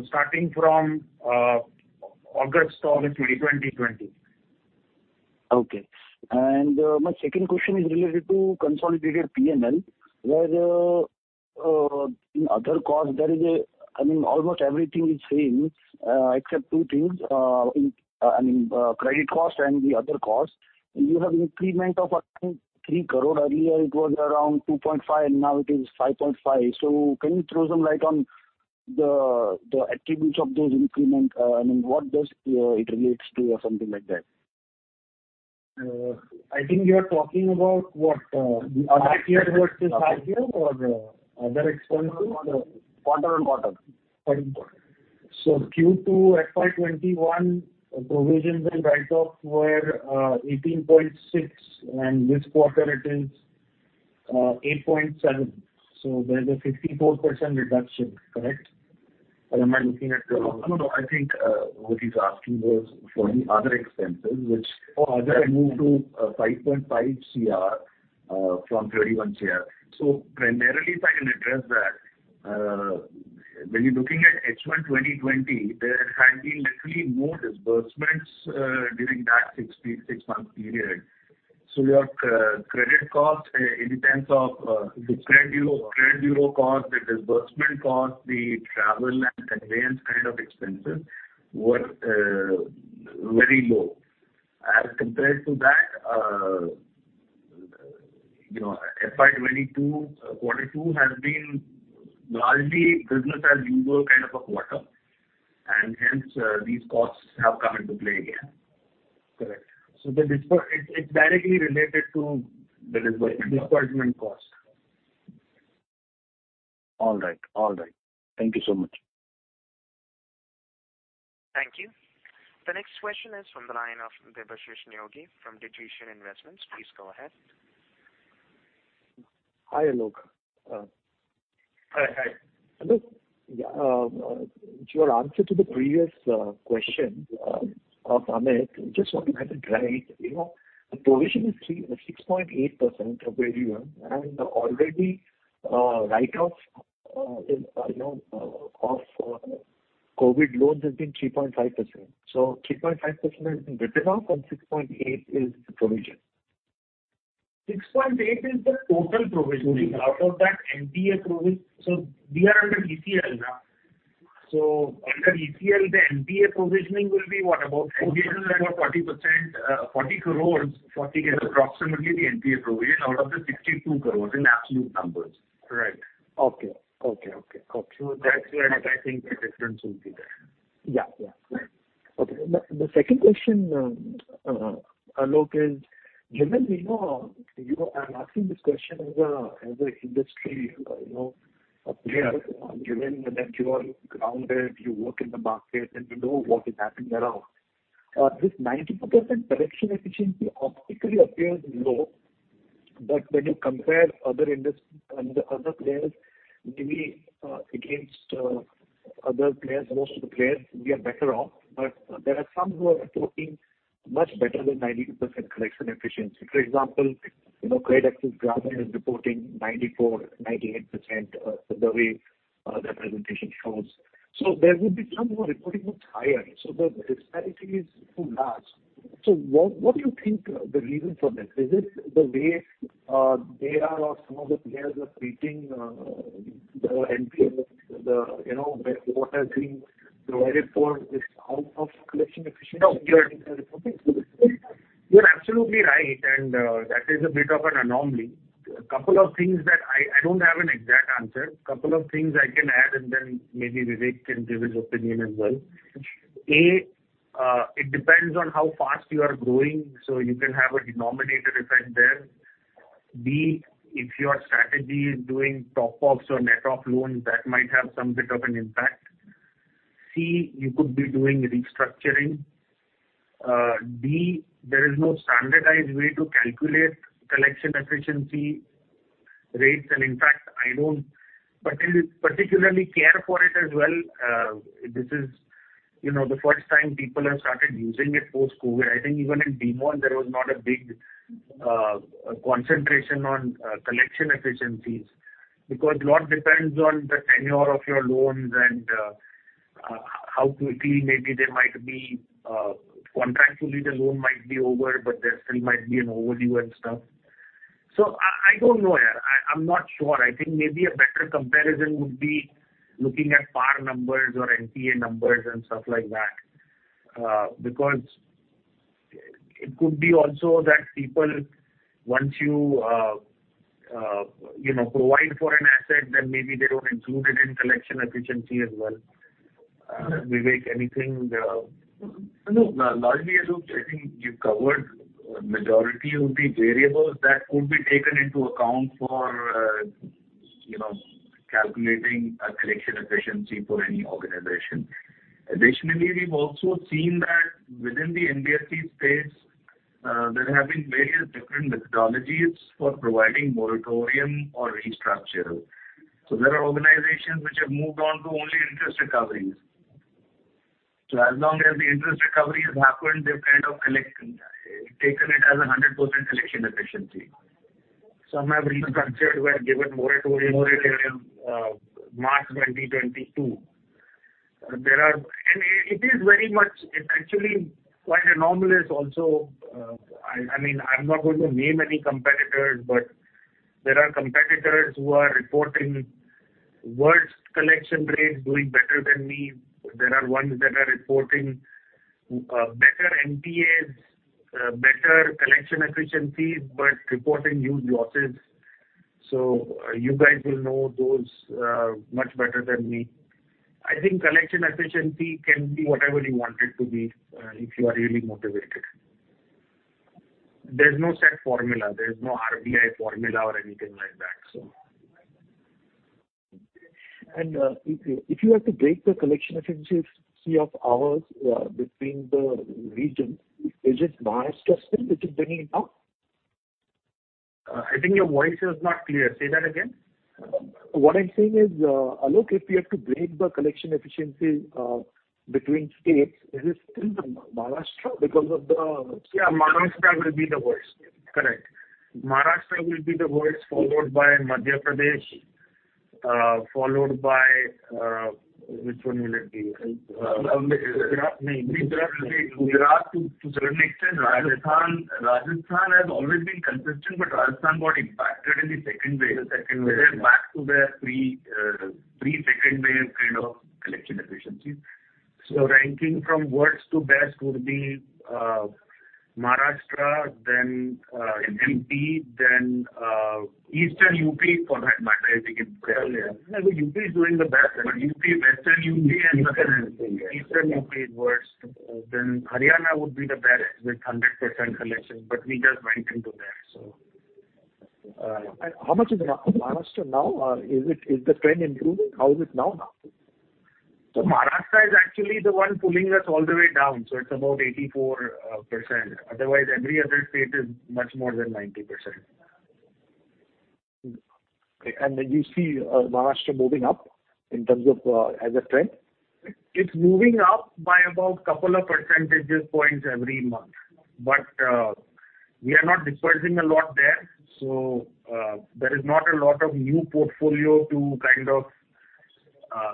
Speaker 10: Starting from August 2020. Okay. My second question is related to consolidated PNL, where in other costs there is a I mean, almost everything is same, except two things. In credit cost and the other costs. You have an increment of, I think, 3 crore. Earlier it was around 2.5 crore, now it is 5.5 crore. So can you throw some light on the attributes of those increment? I mean, what does it relates to or something like that?
Speaker 5: I think you are talking about last year versus this year or other expenses? Quarter-on-quarter. Q2 FY 2021, provisions and write-off were 18.6, and this quarter it is 8.7. There's a 54% reduction, correct? Or am I looking at the wrong one? No, no, I think what he's asking was for the other expenses which have moved to 5.5 cr from 31 cr. Primarily if I can address that, when you're looking at H1 2020, there had been literally no disbursements during that 6-month period. Your credit costs in terms of the credit bureau cost, the disbursement cost, the travel and conveyance kind of expenses were very low. As compared to that, you know, FY 2022, quarter two has been largely business as usual kind of a quarter, and hence, these costs have come into play again. Correct. It's directly related to the disbursement cost. All right. Thank you so much.
Speaker 1: Thank you. The next question is from the line of Debashis Neogi from Digitization Investments. Please go ahead.
Speaker 11: Hi, Aalok.
Speaker 5: Hi. Hi.
Speaker 11: Aalok, your answer to the previous question of Amit, just want to kind of drive, you know, the provision is 6.8% of advances and already write-off of COVID loans has been 3.5%. 3.5% has been written off and 6.8% is the provision.
Speaker 5: 6.8% is the total provisioning. Total. Out of that NPA provision. We are under ECL now. Under ECL, the NPA provisioning will be what? About 40%—NPA is about 40%, 40 crore. Approximately the NPA provision out of the 62 crore in absolute numbers. Right. Okay. That's where I think the difference will be there.
Speaker 11: Yeah. Right. Okay. The second question, Aalok, given we know. You know, I'm asking this question as an industry, you know, player, given that you are grounded, you work in the market and you know what is happening around. This 92% collection efficiency optically appears low, but when you compare the other players maybe against other players, most of the players we are better off. There are some who are reporting much better than 92% collection efficiency. For example, you know, CreditAccess Grameen is reporting 94%, 98%, the way their presentation shows. There would be some who are reporting much higher. The disparity is too large. What do you think the reason for this? Is it the way they are or some of the players are treating the NPA, you know, what has been provided for this out of collection efficiency you are reporting? You're absolutely right, that is a bit of an anomaly. A couple of things that I don't have an exact answer. Couple of things I can add and then maybe Vivek can give his opinion as well. It depends on how fast you are growing, so you can have a denominator effect there.
Speaker 5: B, if your strategy is doing top ups or net off loans, that might have some bit of an impact. C, you could be doing restructuring. D, there is no standardized way to calculate collection efficiency rates and in fact, I don't particularly care for it as well. This is, you know, the first time people have started using it post-COVID. I think even in demonetization there was not a big concentration on collection efficiencies because a lot depends on the tenure of your loans and how quickly maybe they might be contractually the loan might be over, but there still might be an overdue and stuff. So I don't know, yeah. I'm not sure. I think maybe a better comparison would be looking at par numbers or NPA numbers and stuff like that. Because it could be also that people, once you know, provide for an asset, then maybe they don't include it in collection efficiency as well. Vivek, anything?
Speaker 7: No. Largely, Aalok, I think you've covered majority of the variables that could be taken into account for, you know, calculating a collection efficiency for any organization. Additionally, we've also seen that within the NBFC space, there have been various different methodologies for providing moratorium or restructure. So there are organizations which have moved on to only interest recoveries. So as long as the interest recovery has happened, they've kind of taken it as 100% collection efficiency. Some have restructured, were given moratorium, March 2022. There are.
Speaker 5: It is very much. It's actually quite anomalous also. I mean, I'm not going to name any competitors, but there are competitors who are reporting worse collection rates doing better than me. There are ones that are reporting better NPAs, better collection efficiencies but reporting huge losses. You guys will know those much better than me. I think collection efficiency can be whatever you want it to be if you are really motivated. There's no set formula, there's no RBI formula or anything like that.
Speaker 11: If you had to break down the collection efficiency of ours between the regions, is it Maharashtra still? Is it trending up?
Speaker 5: I think your voice was not clear. Say that again.
Speaker 11: What I'm saying is, Aalok, if you had to break down the collection efficiency between states, is it still Maharashtra because of the. Yeah, Maharashtra will be the worst. Correct. Maharashtra will be the worst, followed by Madhya Pradesh, followed by, which one will it be? Uttar Pradesh. To certain extent, Rajasthan. Rajasthan has always been consistent, but Rajasthan got impacted in the second wave. They're back to their pre-second wave kind of collection efficiency. Ranking from worst to best would be Maharashtra, then MP, then Eastern UP for that matter, I think. No, UP is doing the best, but UP, Western UP. Western UP. Eastern UP is worse. Haryana would be the best with 100% collection, but we just went into there. How much is Maharashtra now? Is the trend improving? How is it now? Maharashtra is actually the one pulling us all the way down, it's about 84%.
Speaker 7: Otherwise, every other state is much more than 90%.
Speaker 11: Okay. Do you see Maharashtra moving up in terms of as a trend?
Speaker 7: It's moving up by about a couple of percentage points every month. We are not disbursing a lot there, so there is not a lot of new portfolio to kind of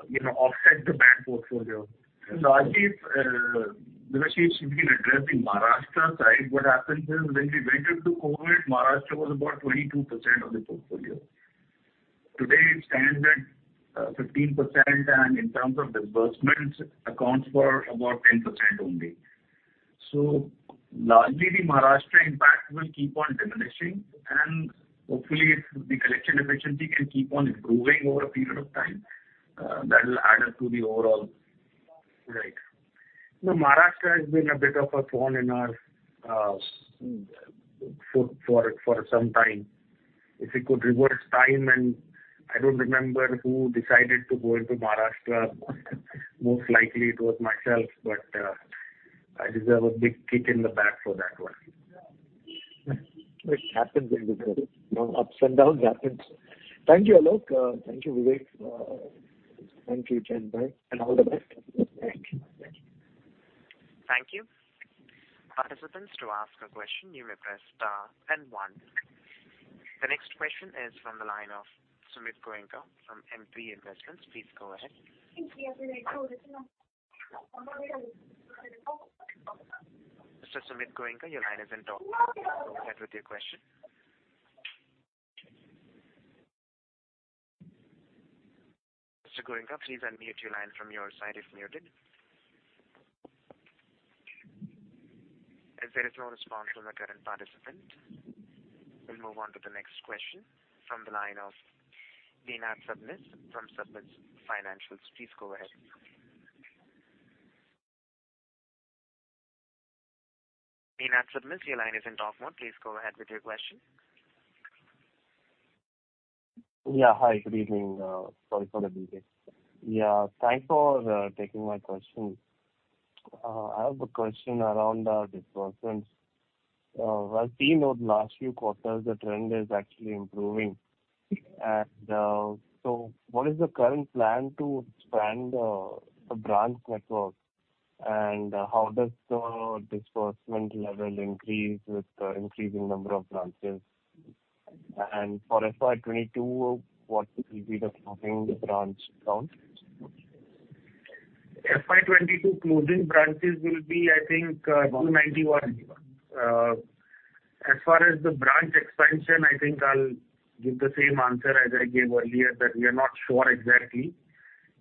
Speaker 7: you know offset the bad portfolio.
Speaker 11: Largely, Vivek, as you've been addressing the Maharashtra side, what happens is when we went into COVID, Maharashtra was about 22% of the portfolio. Today it stands at 15% and in terms of disbursements accounts for about 10% only. Largely the Maharashtra impact will keep on diminishing and hopefully if the collection efficiency can keep on improving over a period of time, that will add up to the overall rate.
Speaker 5: No, Maharashtra has been a bit of a thorn in our foot for some time. If we could reverse time and I don't remember who decided to go into Maharashtra, most likely it was myself, but I deserve a big kick in the back for that one. It happens individually. You know, ups and downs happens.
Speaker 11: Thank you, Aalok. Thank you, Vivek. Thank you, Jayant. Bye and all the best. Thank you.
Speaker 1: Thank you. Participants, to ask a question you may press star then one. The next question is from the line of Sumit Goenka from MP Investments. Please go ahead. Mr. Sumit Goenka, your line isn't open. Go ahead with your question. Mr. Goenka, please unmute your line from your side if muted. As there is no response from the current participant, we'll move on to the next question from the line of Vinay Sabnis from Sabnis Financials. Please go ahead. Vinay Sabnis, your line isn't talk mode. Please go ahead with your question.
Speaker 12: Hi. Good evening. Sorry for the delay. Yeah, thanks for taking my question. I have a question around disbursements. I've seen over the last few quarters the trend is actually improving. What is the current plan to expand the branch network and how does the disbursement level increase with the increasing number of branches? For FY 2022, what will be the closing branch count?
Speaker 7: FY 2022 closing branches will be, I think, 291. As far as the branch expansion, I think I'll give the same answer as I gave earlier, that we are not sure exactly.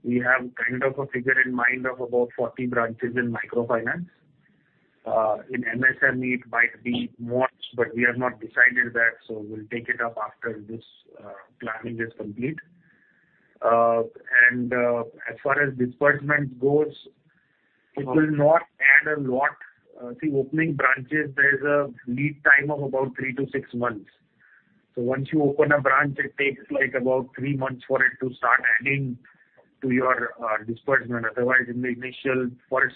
Speaker 7: We have kind of a figure in mind of about 40 branches in microfinance. In MSME it might be more, but we have not decided that, so we'll take it up after this planning is complete. As far as disbursement goes, it will not add a lot. See, opening branches there's a lead time of about 3-6 months. Once you open a branch, it takes like about three months for it to start adding to your disbursement. Otherwise, in the initial first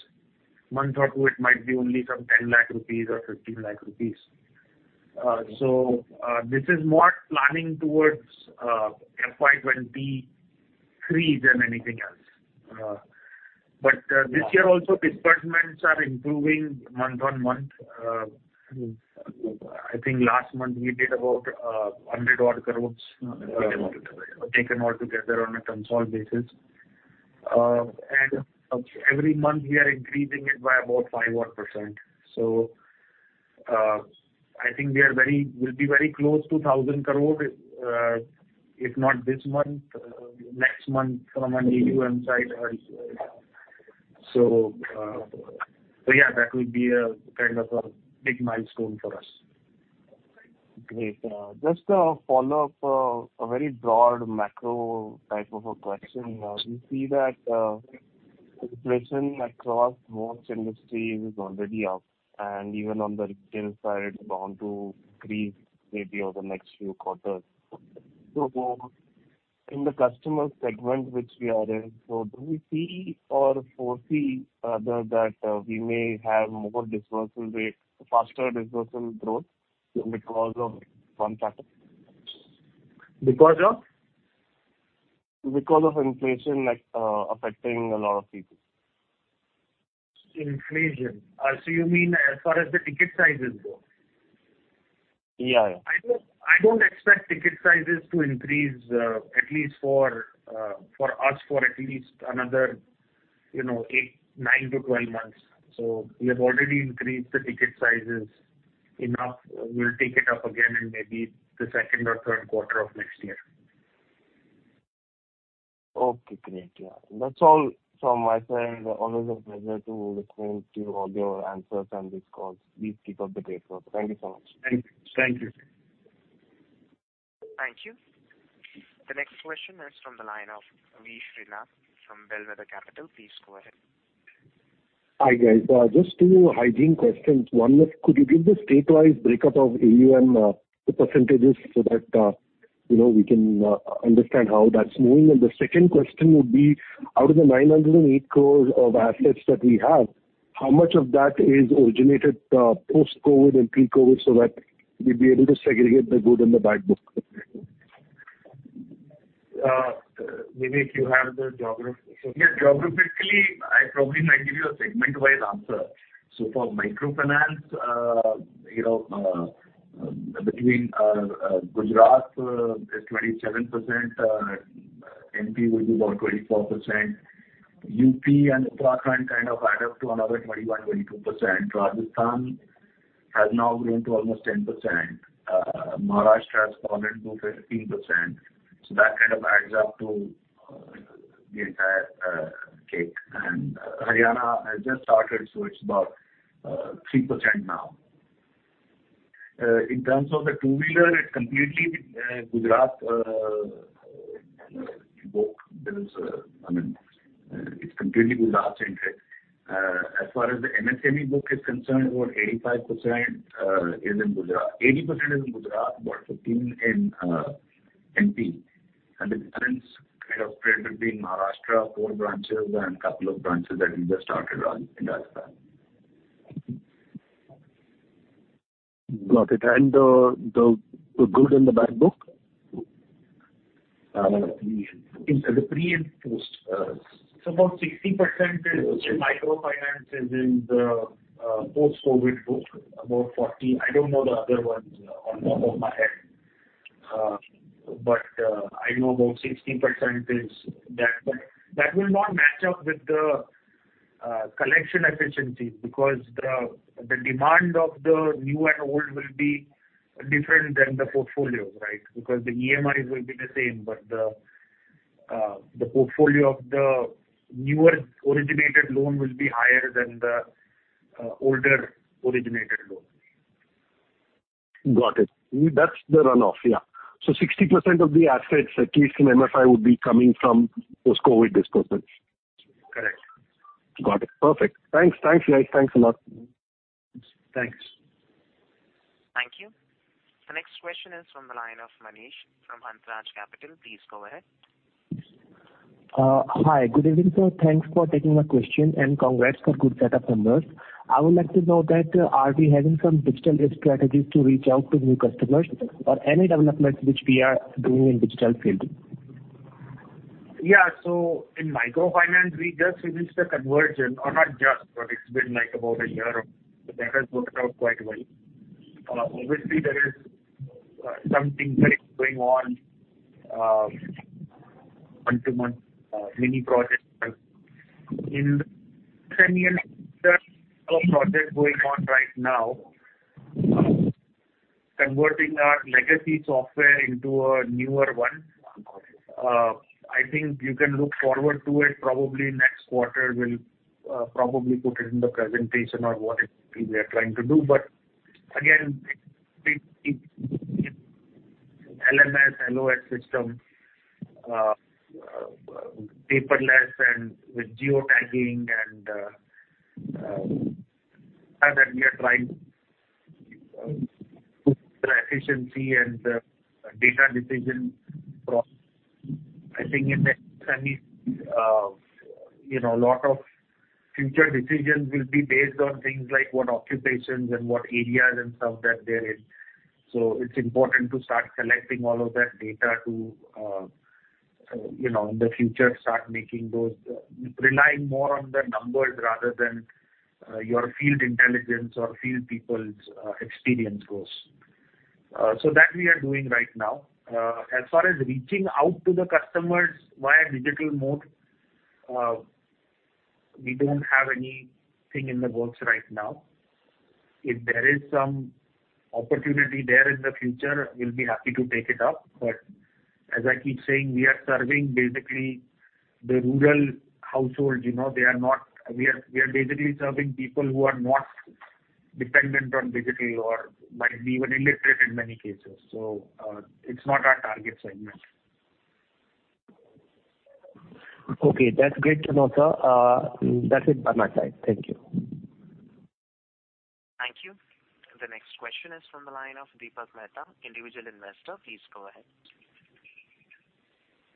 Speaker 7: month or two, it might be only some 10 lakh rupees or 15 lakh rupees. This is more planning towards FY 2023 than anything else. This year also disbursements are improving month-on-month. I think last month we did about 100 crore taken all together on a consolidated basis. Every month we are increasing it by about 5-odd%. I think we will be very close to 1,000 crore, if not this month, next month from an AUM side. Yeah, that will be a kind of a big milestone for us.
Speaker 12: Great. Just a follow-up, a very broad macro type of a question. We see that inflation across most industries is already up, and even on the retail side, it's bound to increase maybe over the next few quarters. In the customer segment which we are in, do we see or foresee that we may have more disbursal rate, faster disbursal growth because of one factor?
Speaker 7: Because of?
Speaker 12: Because of inflation, like, affecting a lot of people.
Speaker 7: Inflation. You mean as far as the ticket sizes go?
Speaker 12: Yeah, yeah.
Speaker 7: I don't expect ticket sizes to increase at least for us for at least another, you know, 8-12 months. We have already increased the ticket sizes enough. We'll take it up again in maybe the second or third quarter of next year.
Speaker 12: Okay, great. Yeah. That's all from my side. Always a pleasure to listen to all your answers on this call. Please keep up the great work. Thank you so much.
Speaker 7: Thank you.
Speaker 1: Thank you. The next question is from the line of V. Srinath from Bellwether Capital. Please go ahead.
Speaker 9: Hi, guys. Just two hygiene questions. One was, could you give the state-wise breakup of AUM, the percentages so that, you know, we can understand how that's moving? The second question would be, out of the 908 crore of assets that we have, how much of that is originated post-COVID and pre-COVID so that we'd be able to segregate the good and the bad book?
Speaker 5: Vivek, you have the geography.
Speaker 7: Yeah. Geographically, I probably might give you a segment-wise answer. For microfinance, you know, Gujarat is 27%, MP will be about 24%. UP and Uttarakhand kind of add up to another 21%-22%. Rajasthan has now grown to almost 10%. Maharashtra has grown to 15%. That kind of adds up to the entire cake. Haryana has just started, so it's about 3% now. In terms of the two-wheeler, I mean, it's completely Gujarat-centric. As far as the MSME book is concerned, about 85% is in Gujarat. 80% is in Gujarat, about 15% in MP. The balance kind of spread between Maharashtra, four branches and couple of branches that we just started on in Rajasthan.
Speaker 9: Got it. The good and the bad book?
Speaker 7: Uh- In the pre and post. About 60% is microfinance in the post-COVID book. About 40%. I don't know the other ones off the top of my head. I know about 60% is that. That will not match up with the collection efficiency because the demand of the new and old will be different than the portfolio, right? The EMIs will be the same. The portfolio of the newer originated loan will be higher than the older originated loan.
Speaker 9: Got it. That's the runoff, yeah. 60% of the assets, at least in MFI, would be coming from post-COVID disbursements. Correct. Got it. Perfect. Thanks. Thanks, guys. Thanks a lot.
Speaker 7: Thanks.
Speaker 1: Thank you. The next question is from the line of Manish from Hansraj Capital. Please go ahead.
Speaker 13: Hi. Good evening, sir. Thanks for taking my question, and congrats for good set of numbers. I would like to know that, are we having some digital risk strategies to reach out to new customers or any developments which we are doing in digital field?
Speaker 5: Yeah. In microfinance we just finished a conversion or not just, but it's been like about a year. That has worked out quite well. Obviously there is something that is going on, one-month mini projects. Then there's a lot of projects going on right now, converting our legacy software into a newer one. I think you can look forward to it probably next quarter. We'll probably put it in the presentation of what it is we are trying to do. Again, it's LMS, LOS system, paperless and with geotagging and that we are trying to improve efficiency and data-driven decision process. I think in the next 10 years, you know, a lot of future decisions will be based on things like what occupations and what areas and stuff that they're in. It's important to start collecting all of that data to in the future rely more on the numbers rather than your field intelligence or field people's experience. That we are doing right now. As far as reaching out to the customers via digital mode, we don't have anything in the works right now. If there is some opportunity there in the future, we'll be happy to take it up. As I keep saying, we are serving basically the rural households, you know. We are basically serving people who are not dependent on digital or might be even illiterate in many cases. It's not our target segment.
Speaker 13: Okay, that's great to know, sir. That's it from my side. Thank you.
Speaker 1: Thank you. The next question is from the line of Deepak Mehta, Individual Investor. Please go ahead.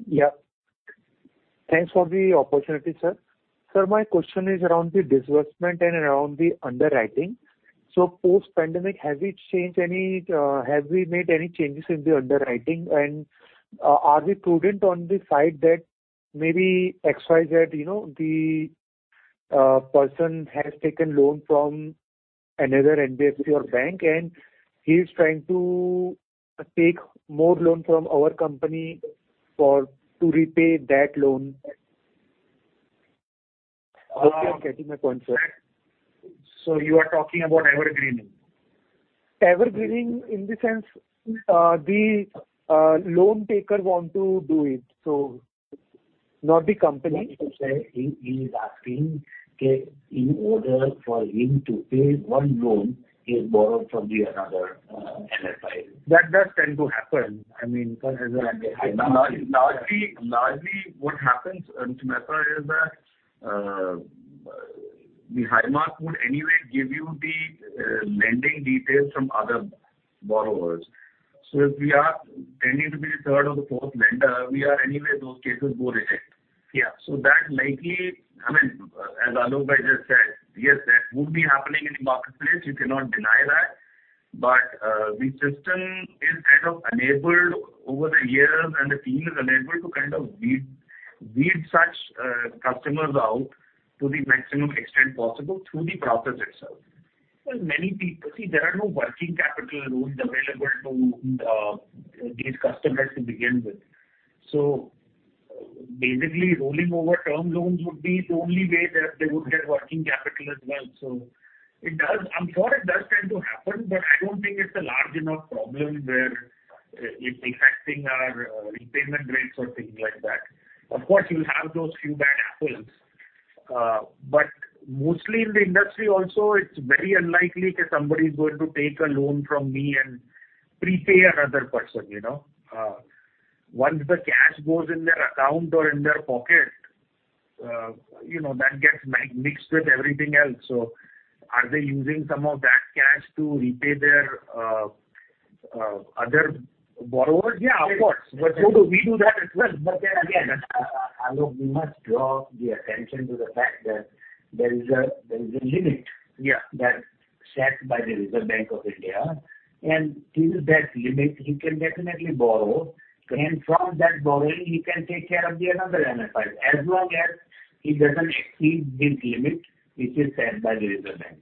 Speaker 4: Yeah. Thanks for the opportunity, sir. Sir, my question is around the disbursement and around the underwriting. Post-pandemic, have we made any changes in the underwriting? Are we prudent on the side that maybe, say, you know, the person has taken loan from another NBFC or bank and he's trying to take more loan from our company in order to repay that loan? Hope you are getting my point, sir.
Speaker 7: You are talking about evergreening.
Speaker 4: Evergreening in the sense, the loan taker want to do it, so not the company.
Speaker 7: He is asking, okay, in order for him to pay one loan, he has borrowed from the other MFI.
Speaker 4: That does tend to happen. I mean,
Speaker 7: Largely what happens, Mr. Mehta, is that the CRIF High Mark would anyway give you the lending details from other borrowers. If we are tending to be the third or the fourth lender, we anyway reject those cases.
Speaker 4: Yeah.
Speaker 7: That likely I mean, as Aalok bhai just said, yes, that would be happening in the marketplace. You cannot deny that. But the system is kind of enabled over the years and the team is enabled to kind of weed such customers out to the maximum extent possible through the process itself. Well, many people. See, there are no working capital loans available to these customers to begin with. Basically, rolling over term loans would be the only way that they would get working capital as well. It does. I'm sure it does tend to happen, but I don't think it's a large enough problem where it's affecting our repayment rates or things like that. Of course, you'll have those few bad apples.
Speaker 5: Mostly in the industry also, it's very unlikely that somebody is going to take a loan from me and prepay another person, you know. Once the cash goes in their account or in their pocket, you know, that gets mixed with everything else. So are they using some of that cash to repay their other borrowers? Yeah, of course. So do we do that as well. Aalok, we must draw the attention to the fact that there is a limit. Yeah. That's set by the Reserve Bank of India. Till that limit, he can definitely borrow. From that borrowing, he can take care of another MFI as long as he doesn't exceed his limit, which is set by the Reserve Bank.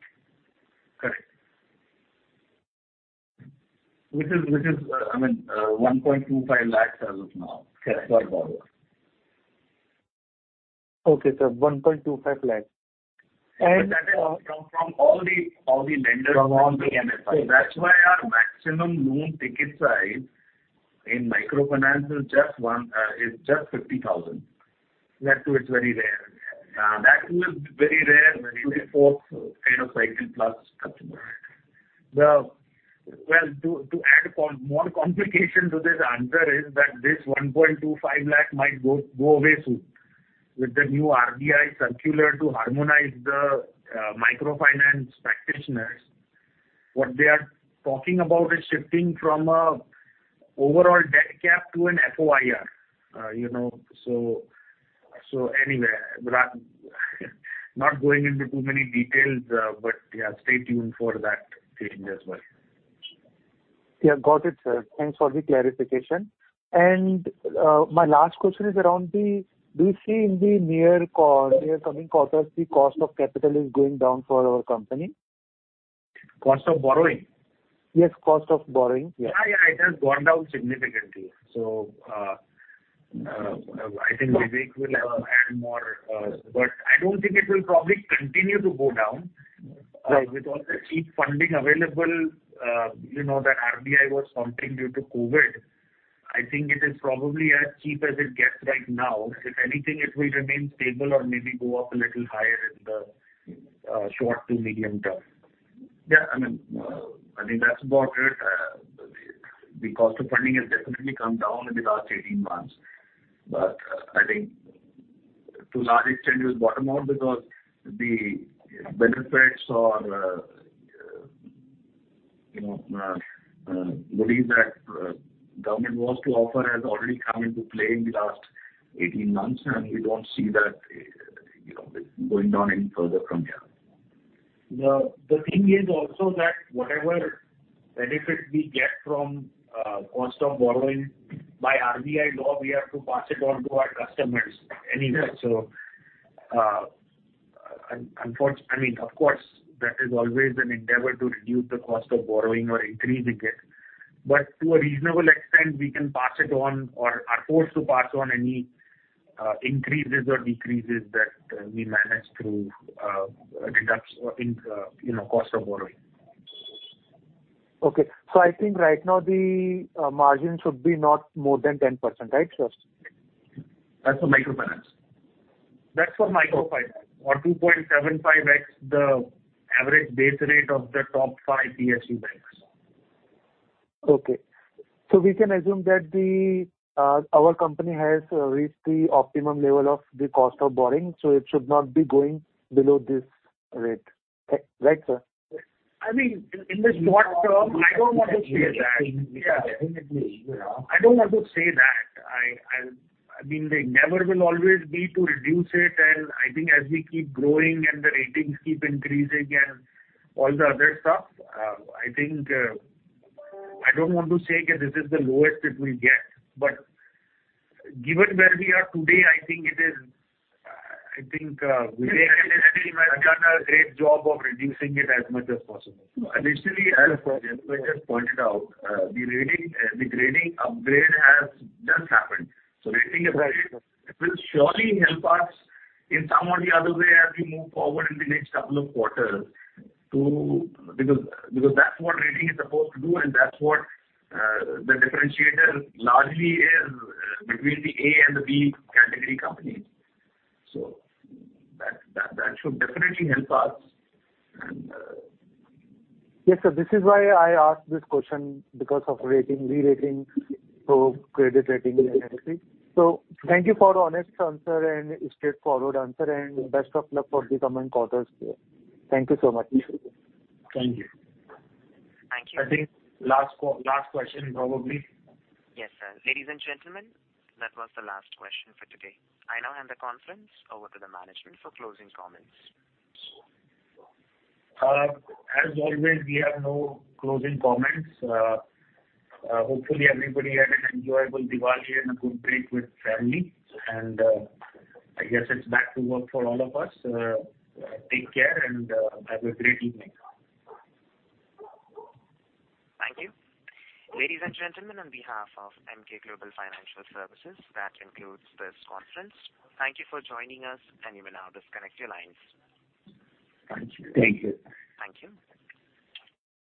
Speaker 4: Correct.
Speaker 7: Which is, I mean, 1.25 lakhs as of now. Correct. Per borrower.
Speaker 4: Okay, sir. 1.25 lakhs.
Speaker 7: That is from all the lenders. From all the MFIs. That's why our maximum loan ticket size in microfinance is just 50,000. That too is very rare. That too is very rare to the fourth kind of cycle plus customer. Well, to add more complication to this answer is that this 1.25 lakh might go away soon with the new RBI circular to harmonize the microfinance practitioners. What they are talking about is shifting from an overall debt cap to an FOIR, you know. Anyway, but I'm not going into too many details, but yeah, stay tuned for that change as well.
Speaker 4: Yeah, got it, sir. Thanks for the clarification. My last question is, do you see in the near coming quarters the cost of capital is going down for our company?
Speaker 5: Cost of borrowing?
Speaker 4: Yes, cost of borrowing. Yeah.
Speaker 5: Yeah, it has gone down significantly. I think Vivek will add more, but I don't think it will probably continue to go down.
Speaker 4: Right.
Speaker 7: With all the cheap funding available, you know, that RBI was pumping due to COVID, I think it is probably as cheap as it gets right now. If anything, it will remain stable or maybe go up a little higher in the short to medium term. Yeah, I mean, I think that's about it. The cost of funding has definitely come down in the last 18 months. I think to large extent it has bottomed out because the benefits or, you know, relief that government was to offer has already come into play in the last 18 months, and we don't see that, you know, going down any further from here. The thing is also that whatever benefit we get from cost of borrowing, by RBI law, we have to pass it on to our customers anyway. Yes. I mean, of course, there is always an endeavor to reduce the cost of borrowing or increasing it. To a reasonable extent, we can pass it on or are forced to pass on any increases or decreases that we manage through a deduction in, you know, cost of borrowing.
Speaker 4: Okay. I think right now the margin should be not more than 10%. Right, sir?
Speaker 5: That's for microfinance. That's for microfinance or 2.75x the average base rate of the top five PSU banks.
Speaker 4: Okay. We can assume that our company has reached the optimum level of the cost of borrowing, so it should not be going below this rate. Right, sir?
Speaker 5: I mean, in the short term, I don't want to say that. Definitely, you know. I don't want to say that. I mean, the endeavor will always be to reduce it. I think as we keep growing and the ratings keep increasing and all the other stuff, I think, I don't want to say that this is the lowest it will get. Given where we are today, I think it is. Vivek and his team have done a great job of reducing it as much as possible. Additionally, as Vivek has pointed out, the rating upgrade has just happened. Rating upgrade.
Speaker 4: Right.
Speaker 7: It will surely help us in some or the other way as we move forward in the next couple of quarters. Because that's what rating is supposed to do, and that's what the differentiator largely is between the A and the B category companies. That should definitely help us and
Speaker 4: Yes, sir. This is why I asked this question because of rating, re-rating, so credit rating and everything. Thank you for honest answer and straightforward answer, and best of luck for the coming quarters. Thank you so much.
Speaker 5: Thank you. I think last question, probably.
Speaker 1: Yes, sir. Ladies and gentlemen, that was the last question for today. I now hand the conference over to the management for closing comments.
Speaker 5: As always, we have no closing comments. Hopefully, everybody had an enjoyable Diwali and a good break with family. I guess it's back to work for all of us. Take care, and have a great evening.
Speaker 1: Thank you. Ladies and gentlemen, on behalf of Emkay Global Financial Services, that concludes this conference. Thank you for joining us, and you may now disconnect your lines.
Speaker 5: Thank you.
Speaker 3: Thank you.
Speaker 1: Thank you.